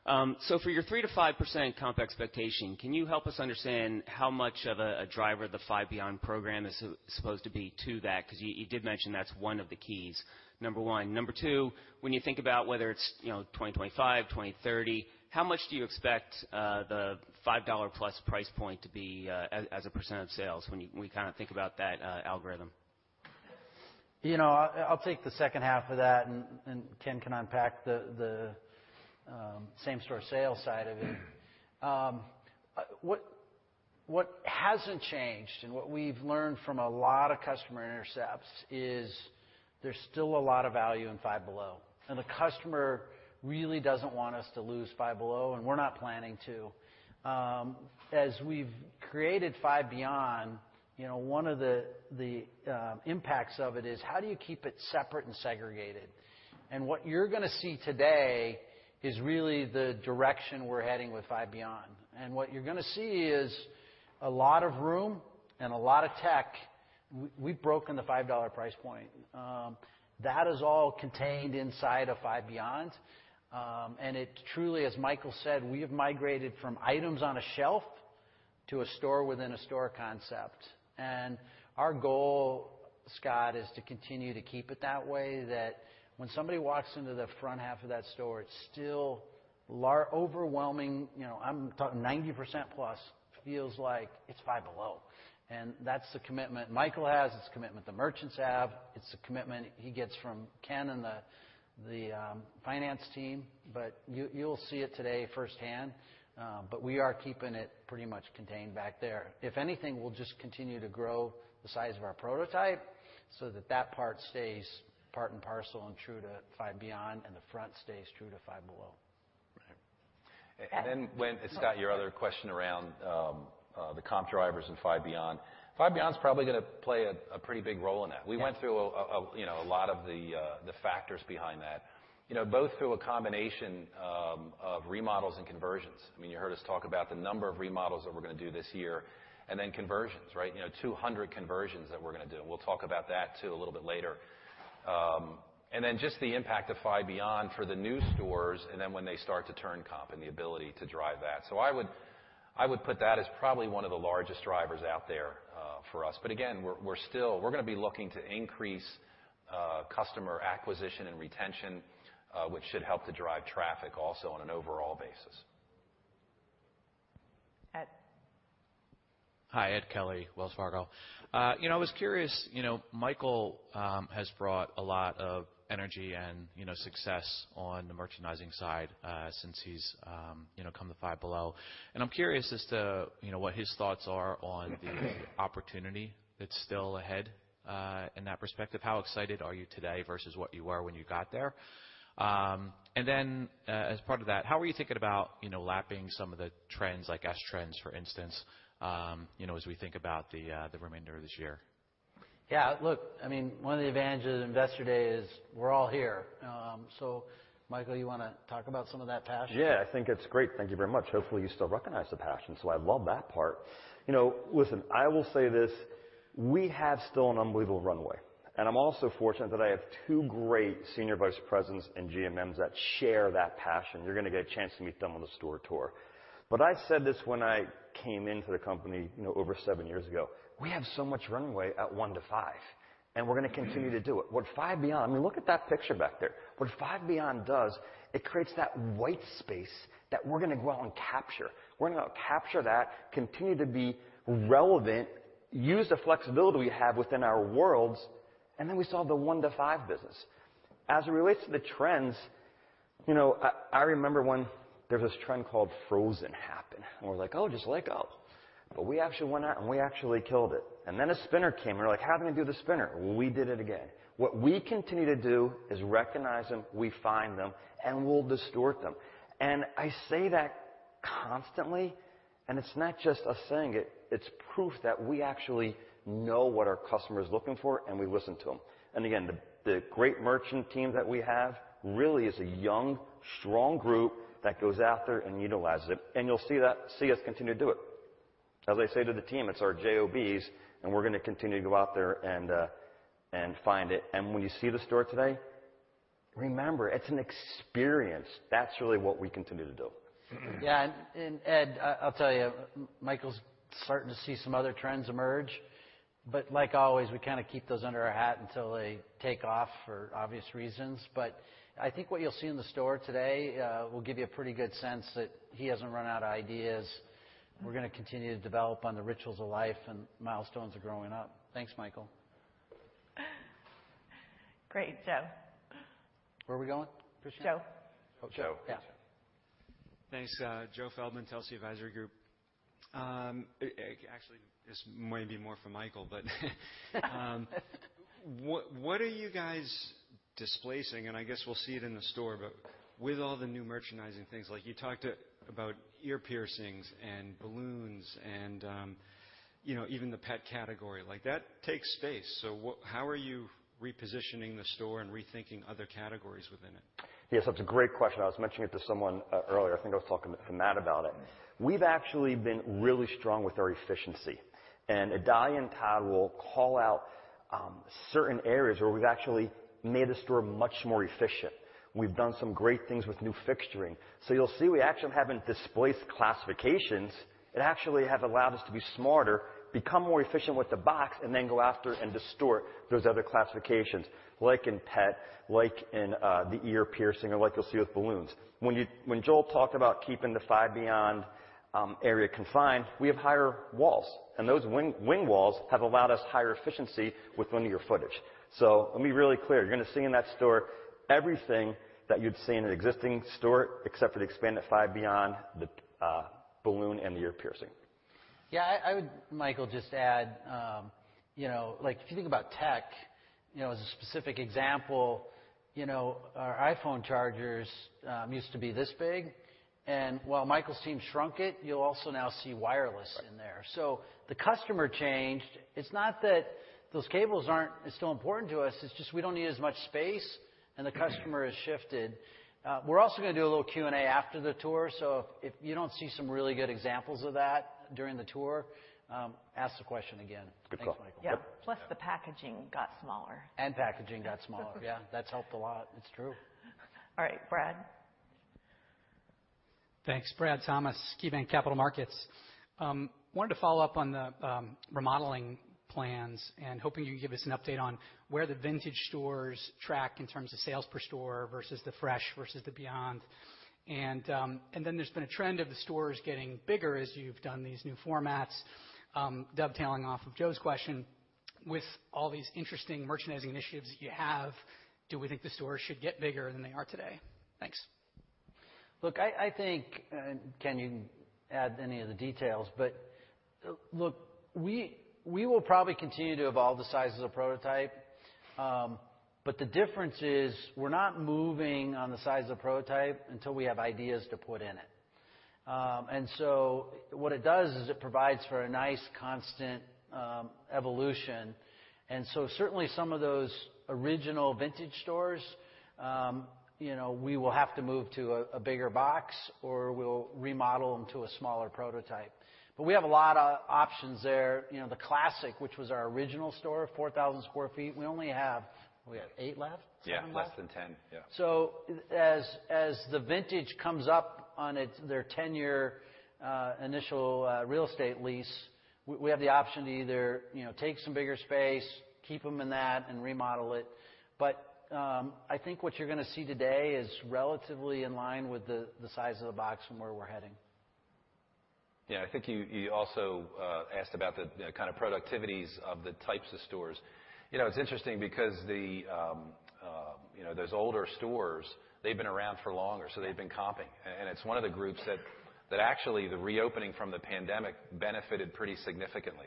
For your 3%-5% comp expectation, can you help us understand how much of a driver the Five Beyond program is supposed to be to that? 'Cause you did mention that's one of the keys, number one. Number two, when you think about whether it's, you know, 2025, 2030, how much do you expect the $5+ price point to be as a percent of sales when we kinda think about that algorithm? You know, I'll take the second half of that and Ken can unpack the same store sales side of it. What hasn't changed and what we've learned from a lot of customer intercepts is there's still a lot of value in Five Below. The customer really doesn't want us to lose Five Below, and we're not planning to. As we've created Five Beyond, you know, one of the impacts of it is how do you keep it separate and segregated? What you're gonna see today is really the direction we're heading with Five Beyond. What you're gonna see is a lot of room and a lot of tech. We've broken the $5 price point. That is all contained inside of Five Beyond. It truly, as Michael said, we have migrated from items on a shelf to a store within a store concept. Our goal, Scot, is to continue to keep it that way, that when somebody walks into the front half of that store, it's still overwhelming. You know, I'm talking 90%+ feels like it's Five Below. That's the commitment Michael has. It's the commitment the merchants have. It's the commitment he gets from Ken and the finance team. You, you'll see it today firsthand. We are keeping it pretty much contained back there. If anything, we'll just continue to grow the size of our prototype so that that part stays part and parcel and true to Five Beyond, and the front stays true to Five Below. Scot, your other question around the comp drivers and Five Beyond. Five Beyond's probably gonna play a pretty big role in that. We went through a lot of the factors behind that. You know, both through a combination of remodels and conversions. I mean, you heard us talk about the number of remodels that we're gonna do this year and then conversions, right? You know, 200 conversions that we're gonna do. We'll talk about that, too, a little bit later, and then just the impact of Five Beyond for the new stores, and then when they start to turn comp and the ability to drive that. I would put that as probably one of the largest drivers out there for us. Again, we're still gonna be looking to increase customer acquisition and retention, which should help to drive traffic also on an overall basis. Ed. Hi. Ed Kelly, Wells Fargo. I was curious. You know, Michael has brought a lot of energy and, you know, success on the merchandising side since he's, you know, come to Five Below. I'm curious as to, you know, what his thoughts are on the opportunity that's still ahead in that perspective. How excited are you today versus what you were when you got there? As part of that, how are you thinking about, you know, lapping some of the trends, like Squish trends for instance, you know, as we think about the remainder of this year? Yeah. Look, I mean, one of the advantages of Investor Day is we're all here. Michael, you wanna talk about some of that passion? Yeah, I think it's great. Thank you very much. Hopefully you still recognize the passion. I love that part. You know, listen, I will say this. We have still an unbelievable runway, and I'm also fortunate that I have two great senior vice presidents and GMMs that share that passion. You're gonna get a chance to meet them on the store tour. I said this when I came into the company, you know, over seven years ago. We have so much runway at one to five, and we're gonna continue to do it. What Five Beyond, I mean, look at that picture back there. What Five Beyond does, it creates that white space that we're gonna go out and capture. We're gonna capture that, continue to be relevant, use the flexibility we have within our worlds, and then we solve the one-to-five business. As it relates to the trends, you know, I remember when there was this trend called Frozen happen, and we're like, "Oh, just let go." We actually went out, and we actually killed it. Then a spinner came, and we're like, "How do we do the spinner?" Well, we did it again. What we continue to do is recognize them, we find them, and we'll distort them. I say that constantly, and it's not just us saying it. It's proof that we actually know what our customer is looking for, and we listen to them. Again, the great merchant team that we have really is a young, strong group that goes after and utilizes it. You'll see that, see us continue to do it. As I say to the team, it's our JOBs, and we're gonna continue to go out there and find it. When you see the store today, remember, it's an experience. That's really what we continue to do. Ed, I'll tell you, Michael's starting to see some other trends emerge, but like always, we kinda keep those under our hat until they take off for obvious reasons. I think what you'll see in the store today will give you a pretty good sense that he hasn't run out of ideas. We're gonna continue to develop on the rituals of life and milestones of growing up. Thanks, Michael. Great. Joe. Where are we going, Christiane? Joe. Oh, Joe. Yeah. Thanks. Joe Feldman, Telsey Advisory Group. Actually this might be more for Michael, but what are you guys displacing, and I guess we'll see it in the store, but with all the new merchandising things, like you talked about ear piercings and balloons and, you know, even the pet category. Like, that takes space, so what, how are you repositioning the store and rethinking other categories within it? Yes, that's a great question. I was mentioning it to someone earlier. I think I was talking to Matt about it. We've actually been really strong with our efficiency, and Idalia and Todd will call out certain areas where we've actually made the store much more efficient. We've done some great things with new fixturing. You'll see we actually haven't displaced classifications. It actually has allowed us to be smarter, become more efficient with the box, and then go after and distort those other classifications, like in pet, like in the ear piercing or like you'll see with balloons. When Joel talked about keeping the Five Beyond area confined, we have higher walls, and those wing walls have allowed us higher efficiency with linear footage. Let me be really clear. You're gonna see in that store everything that you'd see in an existing store, except for the expanded Five Beyond, balloon and the ear piercing. I would, Michael, just add, you know, like, if you think about tech, you know, as a specific example, you know, our iPhone chargers used to be this big. While Michael's team shrunk it, you'll also now see wireless in there. The customer changed. It's not that those cables aren't still important to us. It's just we don't need as much space, and the customer has shifted. We're also gonna do a little Q&A after the tour, so if you don't see some really good examples of that during the tour, ask the question again. Good call. Thanks, Michael. Yep. Plus the packaging got smaller. Packaging got smaller. Yeah, that's helped a lot. It's true. All right. Brad. Thanks. Brad Thomas, KeyBanc Capital Markets. Wanted to follow up on the remodeling plans and hoping you can give us an update on where the Vintage stores track in terms of sales per store versus the Fresh versus the Beyond. Then there's been a trend of the stores getting bigger as you've done these new formats. Dovetailing off of Joe's question, with all these interesting merchandising initiatives that you have, do we think the stores should get bigger than they are today? Thanks. Look, I think, and Ken, you can add any of the details, but look, we will probably continue to evolve the size of the prototype. The difference is we're not moving on the size of the prototype until we have ideas to put in it. What it does is it provides for a nice constant evolution. Certainly, some of those original Vintage stores, you know, we will have to move to a bigger box, or we'll remodel them to a smaller prototype. We have a lot of options there. You know, the classic, which was our original store, 4,000 sq ft, we only have 8 left? 7 left? Yeah, less than 10. Yeah. As the Vintage comes up on its ten-year initial real estate lease, we have the option to either, you know, take some bigger space, keep them in that and remodel it. I think what you're gonna see today is relatively in line with the size of the box and where we're heading. Yeah. I think you also asked about the kind of productivities of the types of stores. You know, it's interesting because you know, those older stores, they've been around for longer, so they've been comping. It's one of the groups that actually the reopening from the pandemic benefited pretty significantly.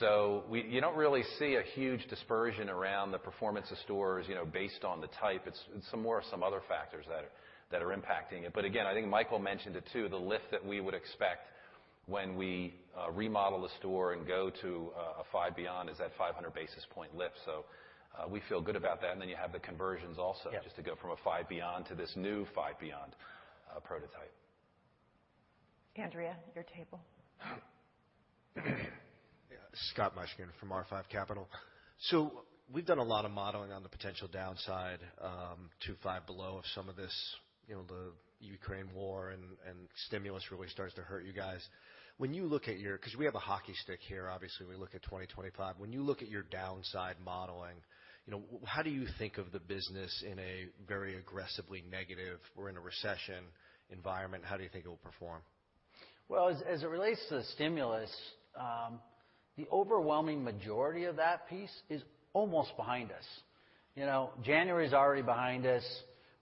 You don't really see a huge dispersion around the performance of stores, you know, based on the type. It's some more of some other factors that are impacting it. Again, I think Michael mentioned it too, the lift that we would expect when we remodel a store and go to a Five Beyond is that 500 basis point lift. We feel good about that. Then you have the conversions also just to go from a Five Beyond to this new Five Beyond prototype. Andrea, your table. Scott Mushkin from R5 Capital. We've done a lot of modeling on the potential downside to Five Below of some of this, you know, the Ukraine war and stimulus really starts to hurt you guys. 'Cause we have a hockey stick here. Obviously, we look at 2025. When you look at your downside modeling, you know, how do you think of the business in a very aggressively negative, we're in a recession environment, how do you think it will perform? Well, as it relates to the stimulus, the overwhelming majority of that piece is almost behind us. You know, January is already behind us.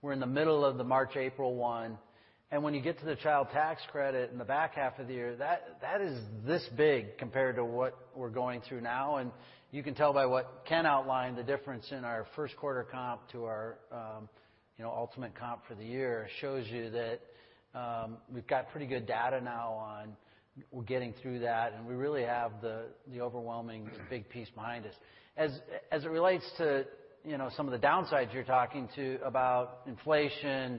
We're in the middle of the March, April one. When you get to the child tax credit in the back half of the year, that is this big compared to what we're going through now. You can tell by what Ken outlined, the difference in our first quarter comp to our, you know, ultimate comp for the year shows you that, we've got pretty good data now on getting through that, and we really have the overwhelming big piece behind us. It relates to, you know, some of the downsides you're talking about inflation,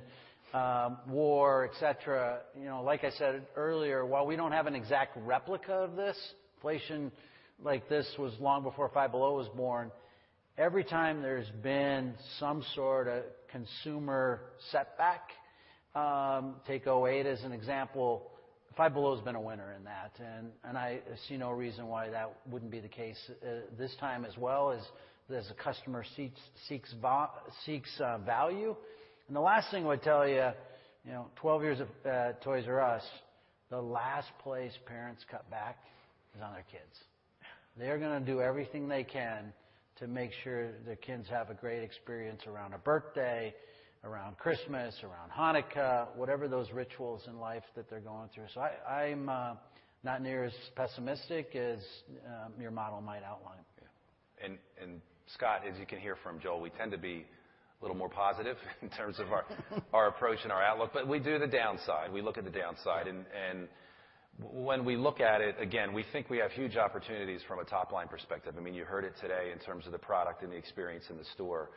war, et cetera, you know, like I said earlier, while we don't have an exact replica of this, inflation like this was long before Five Below was born. Every time there's been some sort of consumer setback, take 2008 as an example, Five Below has been a winner in that. I see no reason why that wouldn't be the case this time as well, as a customer seeks value. The last thing I would tell you know, 12 years of Toys"R"Us, the last place parents cut back is on their kids. They're gonna do everything they can to make sure their kids have a great experience around a birthday, around Christmas, around Hanukkah, whatever those rituals in life that they're going through. I'm not near as pessimistic as your model might outline. Yeah. Scott, as you can hear from Joel, we tend to be a little more positive in terms of our approach and our outlook. We do the downside. We look at the downside. When we look at it, again, we think we have huge opportunities from a top-line perspective. I mean, you heard it today in terms of the product and the experience in the store.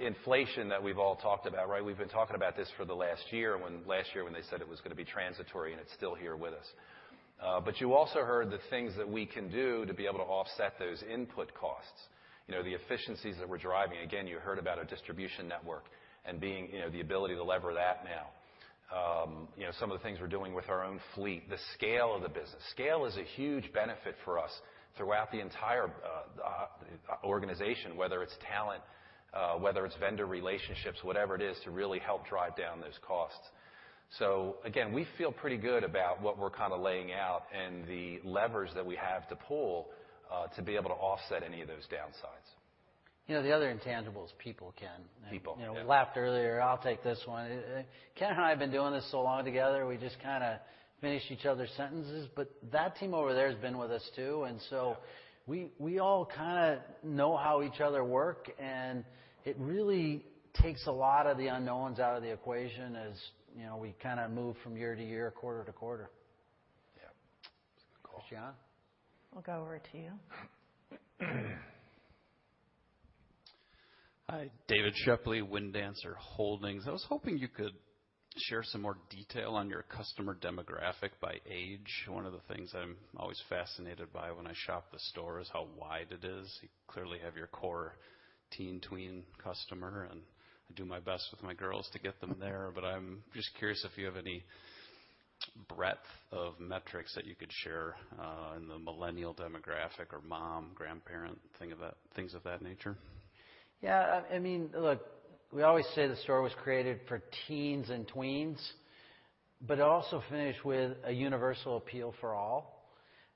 Inflation that we've all talked about, right? We've been talking about this for the last year last year when they said it was gonna be transitory, and it's still here with us. You also heard the things that we can do to be able to offset those input costs. You know, the efficiencies that we're driving. Again, you heard about our distribution network and being, you know, the ability to lever that now. You know, some of the things we're doing with our own fleet, the scale of the business, is a huge benefit for us throughout the entire organization, whether it's talent, whether it's vendor relationships, whatever it is to really help drive down those costs. Again, we feel pretty good about what we're kinda laying out and the levers that we have to pull to be able to offset any of those downsides. You know, the other intangible is people, Ken. People, yeah. You know, we laughed earlier. I'll take this one. Ken and I have been doing this so long together, we just kinda finish each other's sentences. But that team over there has been with us too. We all kinda know how each other work, and it really takes a lot of the unknowns out of the equation as, you know, we kinda move from year to year, quarter to quarter. Yeah. That's a good call. Christiane? I'll go over to you. David Shepley, Windancer Holdings. I was hoping you could share some more detail on your customer demographic by age. One of the things I'm always fascinated by when I shop the store is how wide it is. You clearly have your core teen, tween customer, and I do my best with my girls to get them there. But I'm just curious if you have any breadth of metrics that you could share, in the millennial demographic or mom, grandparent, things of that nature. Yeah. I mean, look, we always say the store was created for teens and tweens, but it also finished with a universal appeal for all.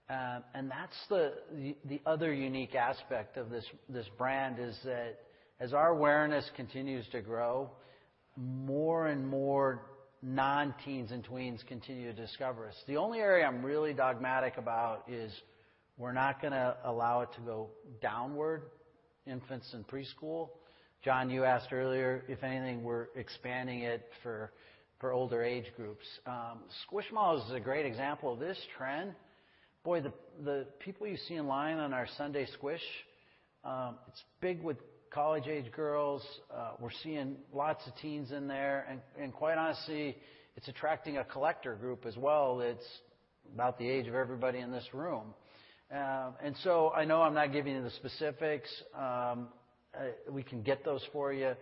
That's the other unique aspect of this brand is that as our awareness continues to grow, more and more non-teens and tweens continue to discover us. The only area I'm really dogmatic about is we're not gonna allow it to go downward, infants and preschool. John, you asked earlier, if anything, we're expanding it for older age groups. Squishmallows is a great example of this trend. Boy, the people you see in line on our Sunday Squish, it's big with college-age girls. We're seeing lots of teens in there, and quite honestly, it's attracting a collector group as well that's about the age of everybody in this room. I know I'm not giving you the specifics. We can get those for you.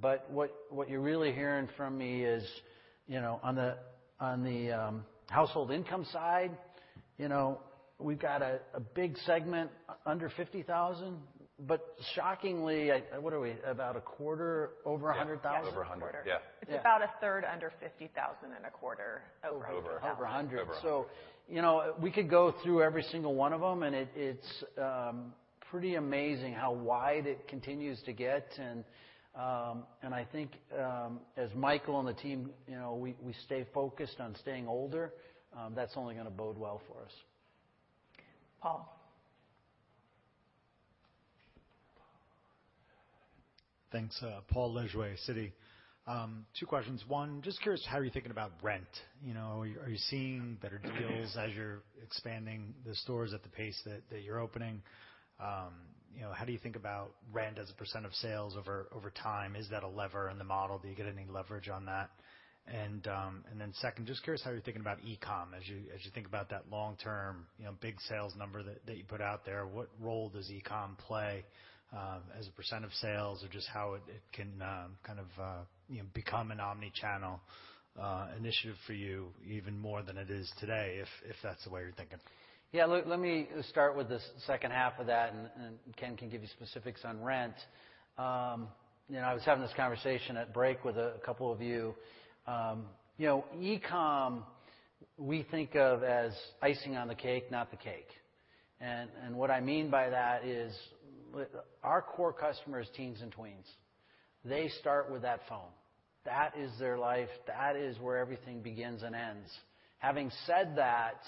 What you're really hearing from me is, you know, on the household income side, you know, we've got a big segment under $50,000, but shockingly, what are we? About a quarter over $100,000? Yeah. Over 100. Yeah. It's about 1/3 under $50,000 and a quarter over $100,000. Over 100. Over 100. Over 100. You know, we could go through every single one of them, and it's pretty amazing how wide it continues to get, and I think, as Michael and the team, you know, we stay focused on staying older. That's only gonna bode well for us. Paul. Thanks. Paul Lejuez, Citi. Two questions. One, just curious how you're thinking about rent. You know, are you seeing better deals as you're expanding the stores at the pace that you're opening? You know, how do you think about rent as a percent of sales over time? Is that a lever in the model? Do you get any leverage on that? Then second, just curious how you're thinking about e-com as you think about that long-term, you know, big sales number that you put out there. What role does e-com play as a percent of sales or just how it can kind of you know, become an omni-channel initiative for you even more than it is today, if that's the way you're thinking. Let me start with the second half of that, and Ken can give you specifics on rent. You know, I was having this conversation at break with a couple of you. You know, e-com we think of as icing on the cake, not the cake. What I mean by that is our core customer is teens and tweens. They start with that phone. That is their life. That is where everything begins and ends. Having said that,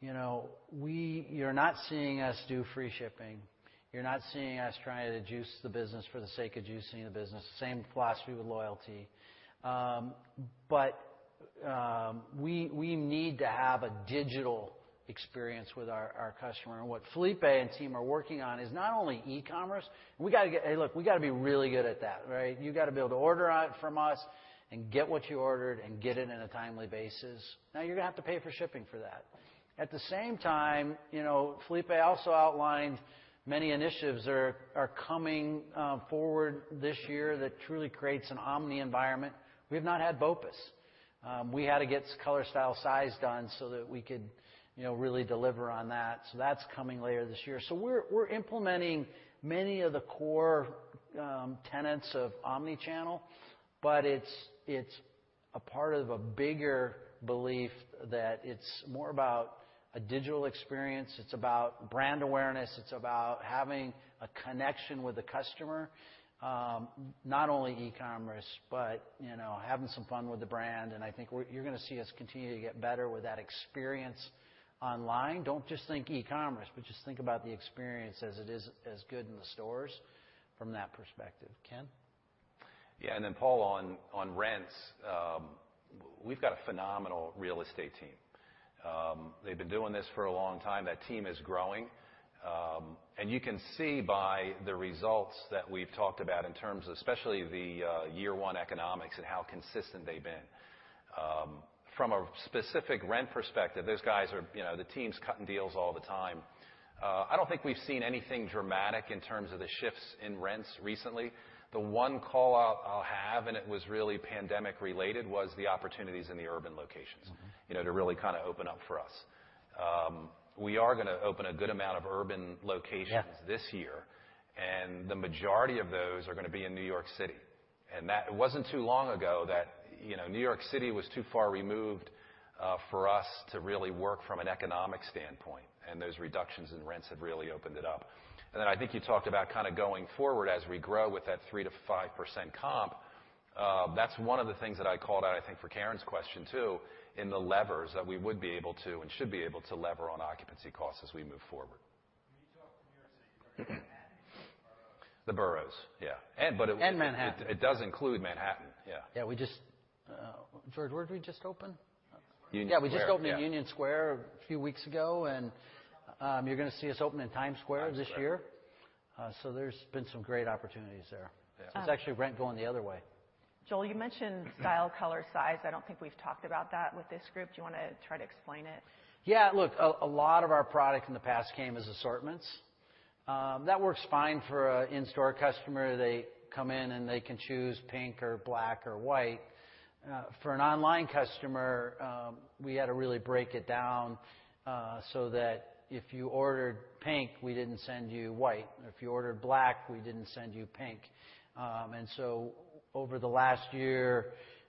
you know, you're not seeing us do free shipping. You're not seeing us trying to juice the business for the sake of juicing the business. Same philosophy with loyalty. We need to have a digital experience with our customer. What Felipe and team are working on is not only e-commerce. We gotta get, hey, look, we gotta be really good at that, right? You gotta be able to order from us and get what you ordered and get it in a timely basis. Now you're gonna have to pay for shipping for that. At the same time, you know, Felipe also outlined many initiatives are coming forward this year that truly creates an omni environment. We have not had BOPIS. We had to get color, style, size done so that we could, you know, really deliver on that. So that's coming later this year. So we're implementing many of the core tenets of omni channel, but it's a part of a bigger belief that it's more about a digital experience. It's about brand awareness. It's about having a connection with the customer, not only e-commerce, but, you know, having some fun with the brand. I think you're gonna see us continue to get better with that experience online. Don't just think e-commerce, but just think about the experience as it is as good in the stores from that perspective. Ken? Yeah. Paul, on rents, we've got a phenomenal real estate team. They've been doing this for a long time. That team is growing. You can see by the results that we've talked about in terms of especially the year-one economics and how consistent they've been. From a specific rent perspective, those guys are, you know, the team's cutting deals all the time. I don't think we've seen anything dramatic in terms of the shifts in rents recently. The one call out I'll have, and it was really pandemic-related, was the opportunities in the urban locations. You know, to really kind of open up for us. We are gonna open a good amount of urban locations this year, and the majority of those are gonna be in New York City. That it wasn't too long ago that, you know, New York City was too far removed for us to really work from an economic standpoint, and those reductions in rents have really opened it up. Then I think you talked about kind of going forward as we grow with that 3%-5% comp. That's one of the things that I called out, I think, for Karen's question, too, in the levers that we would be able to and should be able to leverage on occupancy costs as we move forward. When you talk New York City, are you talking Manhattan or the boroughs? The boroughs, yeah. And Manhattan. It does include Manhattan, yeah. Yeah. George, where'd we just open? Union Square. Yeah, we just opened in Union Square a few weeks ago, and you're gonna see us open in Times Square this year. Times Square. There's been some great opportunities there. It's actually rent going the other way. Joel, you mentioned style, color, size. I don't think we've talked about that with this group. Do you wanna try to explain it? Yeah. Look, a lot of our product in the past came as assortments. That works fine for a in-store customer. They come in, and they can choose pink or black or white. For an online customer, we had to really break it down, so that if you ordered pink, we didn't send you white. If you ordered black, we didn't send you pink. Over the last year,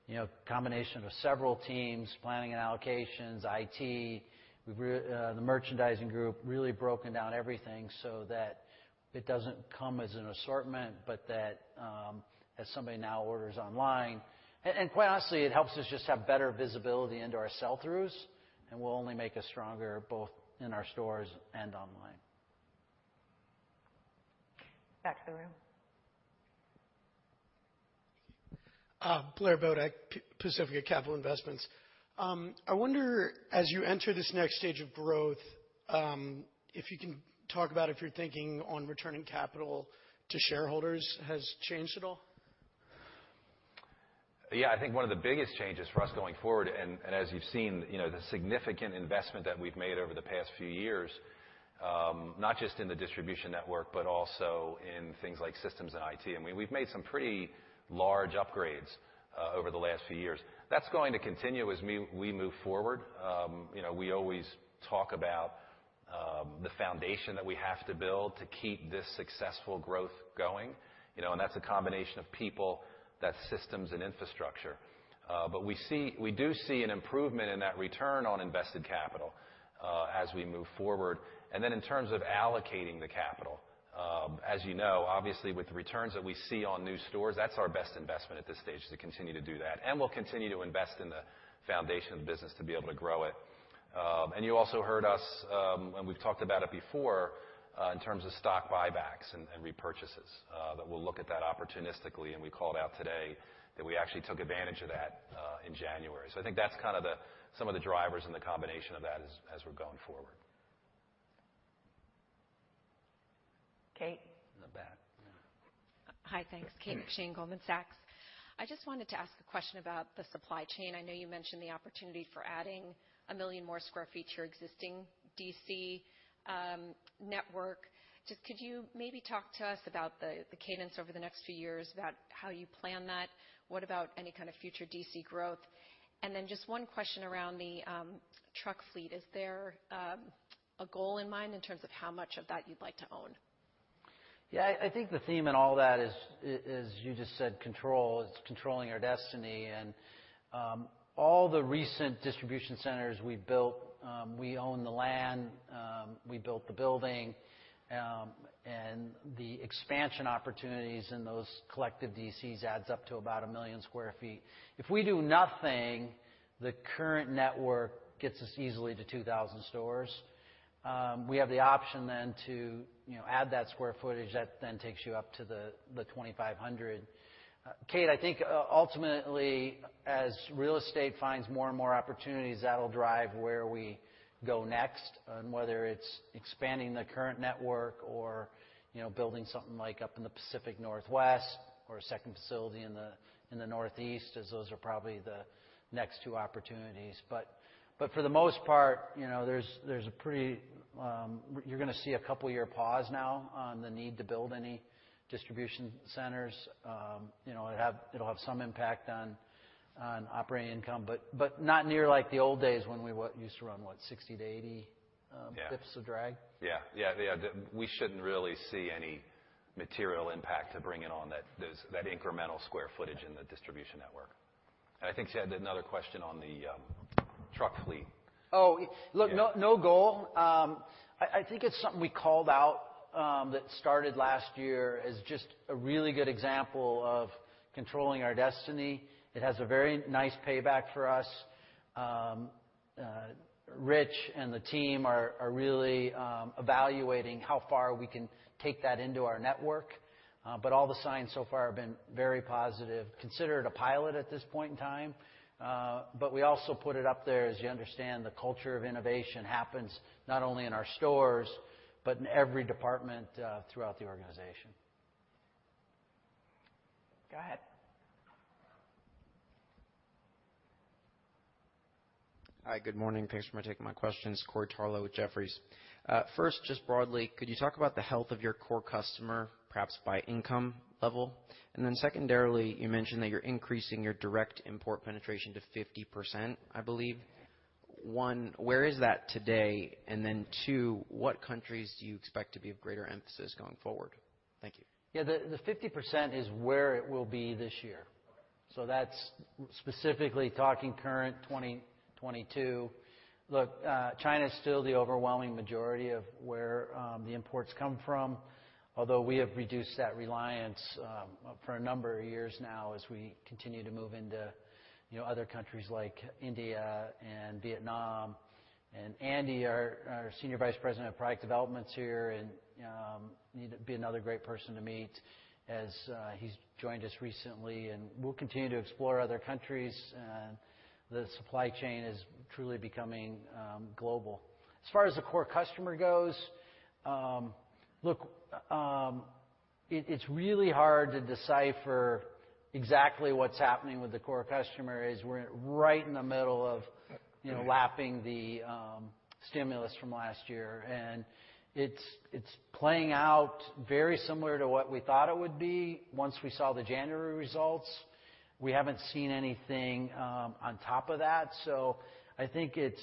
you know, combination of several teams, planning and allocations, IT, the merchandising group really broke down everything so that it doesn't come as an assortment, but as somebody now orders online. Quite honestly, it helps us just have better visibility into our sell-throughs and will only make us stronger both in our stores and online. Back to the room. Blair Bodek, Pacifica Capital Investments. I wonder, as you enter this next stage of growth, if you can talk about if your thinking on returning capital to shareholders has changed at all. Yeah. I think one of the biggest changes for us going forward, and as you've seen, you know, the significant investment that we've made over the past few years, not just in the distribution network but also in things like systems and IT. I mean, we've made some pretty large upgrades over the last few years. That's going to continue as we move forward. You know, we always talk about the foundation that we have to build to keep this successful growth going, you know. That's a combination of people, that's systems and infrastructure. We do see an improvement in that return on invested capital as we move forward. Then in terms of allocating the capital, as you know, obviously, with the returns that we see on new stores, that's our best investment at this stage, is to continue to do that. We'll continue to invest in the foundation of the business to be able to grow it. You also heard us, and we've talked about it before, in terms of stock buybacks and repurchases, that we'll look at that opportunistically, and we called out today that we actually took advantage of that, in January. I think that's kind of some of the drivers and the combination of that as we're going forward. Kate. In the back. Hi. Thanks. Kate McShane, Goldman Sachs. I just wanted to ask a question about the supply chain. I know you mentioned the opportunity for adding a million more square feet to your existing DC network. Just could you maybe talk to us about the cadence over the next few years, about how you plan that? What about any kind of future DC growth? Just one question around the truck fleet. Is there a goal in mind in terms of how much of that you'd like to own? Yeah. I think the theme in all that is, as you just said, control. It's controlling our destiny. All the recent distribution centers we've built, we own the land, we built the building. The expansion opportunities in those collective DCs adds up to about 1 million sq ft. If we do nothing, the current network gets us easily to 2,000 stores. We have the option then to, you know, add that square footage. That then takes you up to the 2,500. Kate, I think ultimately, as real estate finds more and more opportunities, that'll drive where we go next on whether it's expanding the current network or, you know, building something like up in the Pacific Northwest or a second facility in the Northeast, as those are probably the next two opportunities. For the most part, you know, there's a pretty. You're gonna see a couple-year pause now on the need to build any distribution centers. You know, it'll have some impact on operating income, but not near like the old days when we used to run, what, 60-80 pips of drag. Yeah. We shouldn't really see any material impact to bringing on that incremental square footage in the distribution network. I think she had another question on the truck fleet. Look, no goal. I think it's something we called out that started last year as just a really good example of controlling our destiny. It has a very nice payback for us. Rich and the team are really evaluating how far we can take that into our network, but all the signs so far have been very positive. Consider it a pilot at this point in time. We also put it up there, as you understand, the culture of innovation happens not only in our stores but in every department throughout the organization. Go ahead. Hi, good morning. Thanks for taking my questions. Corey Tarlowe with Jefferies. First, just broadly, could you talk about the health of your core customer, perhaps by income level? Secondarily, you mentioned that you're increasing your direct import penetration to 50%, I believe. One, where is that today? Two, what countries do you expect to be of greater emphasis going forward? Thank you. Yeah. The 50% is where it will be this year, so that's specifically talking current 2022. Look, China's still the overwhelming majority of where the imports come from, although we have reduced that reliance for a number of years now as we continue to move into, you know, other countries like India and Vietnam. Andy, our Senior Vice President of Product Development is here and another great person to meet as he's joined us recently. We'll continue to explore other countries. The supply chain is truly becoming global. As far as the core customer goes, look, it's really hard to decipher exactly what's happening with the core customer as we're right in the middle of, you know, lapping the stimulus from last year. It's playing out very similar to what we thought it would be once we saw the January results. We haven't seen anything on top of that. I think it's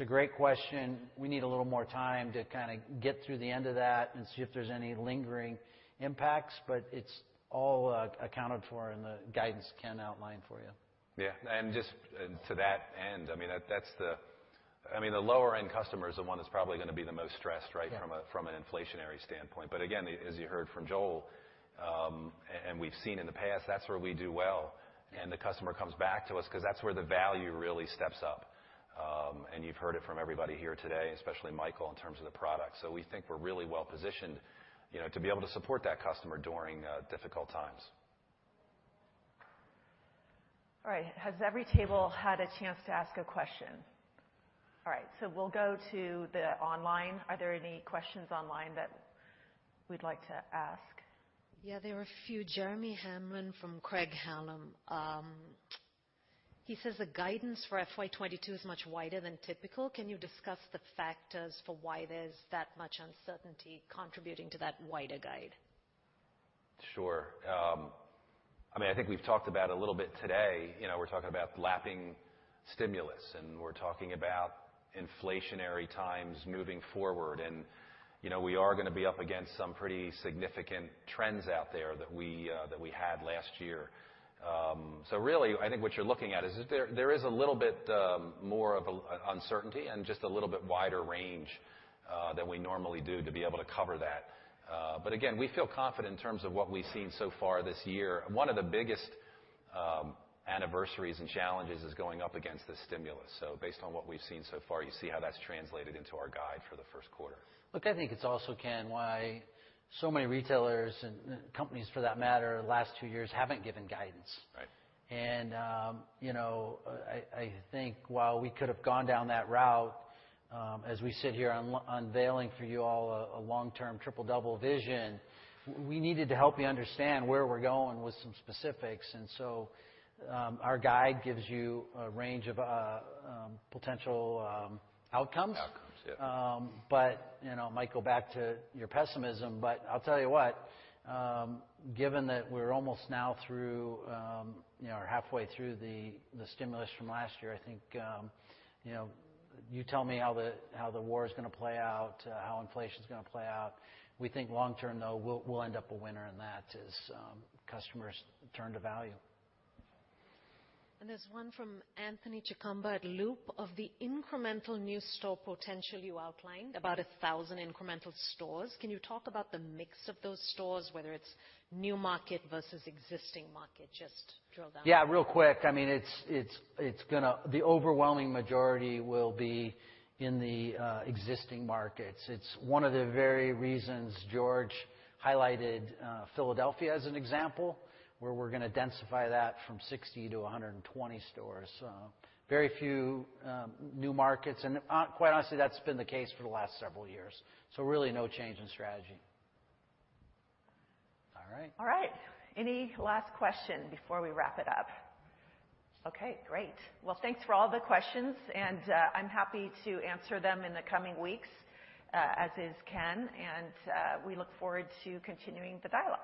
a great question. We need a little more time to kinda get through the end of that and see if there's any lingering impacts, but it's all accounted for in the guidance Ken outlined for you. To that end, I mean, the lower-end customer is the one that's probably gonna be the most stressed, right? From an inflationary standpoint. Again, as you heard from Joel, and we've seen in the past, that's where we do well, and the customer comes back to us 'cause that's where the value really steps up. You've heard it from everybody here today, especially Michael, in terms of the product. We think we're really well-positioned, you know, to be able to support that customer during difficult times. All right. Has every table had a chance to ask a question? All right, so we'll go to the online. Are there any questions online that we'd like to ask? Yeah, there are a few. Jeremy Hamblin from Craig-Hallum. He says the guidance for FY 2022 is much wider than typical. Can you discuss the factors for why there's that much uncertainty contributing to that wider guide? Sure. I mean, I think we've talked about a little bit today, you know, we're talking about lapping stimulus, and we're talking about inflationary times moving forward. You know, we are gonna be up against some pretty significant trends out there that we had last year. So really I think what you're looking at is there is a little bit more of an uncertainty and just a little bit wider range than we normally do to be able to cover that. But again, we feel confident in terms of what we've seen so far this year. One of the biggest anniversaries and challenges is going up against the stimulus. So based on what we've seen so far, you see how that's translated into our guide for the first quarter. Look, I think it's also, Ken, why so many retailers and companies for that matter the last two years haven't given guidance. Right. You know, I think while we could have gone down that route, as we sit here unveiling for you all a long-term Triple-Double vision, we needed to help you understand where we're going with some specifics. Our guide gives you a range of potential outcomes. Outcomes, yeah. But, you know, Michael, go back to your pessimism. I'll tell you what, given that we're almost now through, you know, or halfway through the stimulus from last year, I think, you know, you tell me how the war is gonna play out, how inflation's gonna play out. We think long term, though, we'll end up a winner in that as, customers turn to value. There's one from Anthony Chukumba at Loop. Of the incremental new store potential you outlined, about 1,000 incremental stores, can you talk about the mix of those stores, whether it's new market versus existing market? Just drill down. Yeah, real quick. I mean, the overwhelming majority will be in the existing markets. It's one of the very reasons George highlighted Philadelphia as an example, where we're gonna densify that from 60 to 120 stores. Very few new markets. Quite honestly, that's been the case for the last several years. Really no change in strategy. All right. All right. Any last question before we wrap it up? Okay, great. Well, thanks for all the questions, and I'm happy to answer them in the coming weeks, as is Ken. We look forward to continuing the dialogue.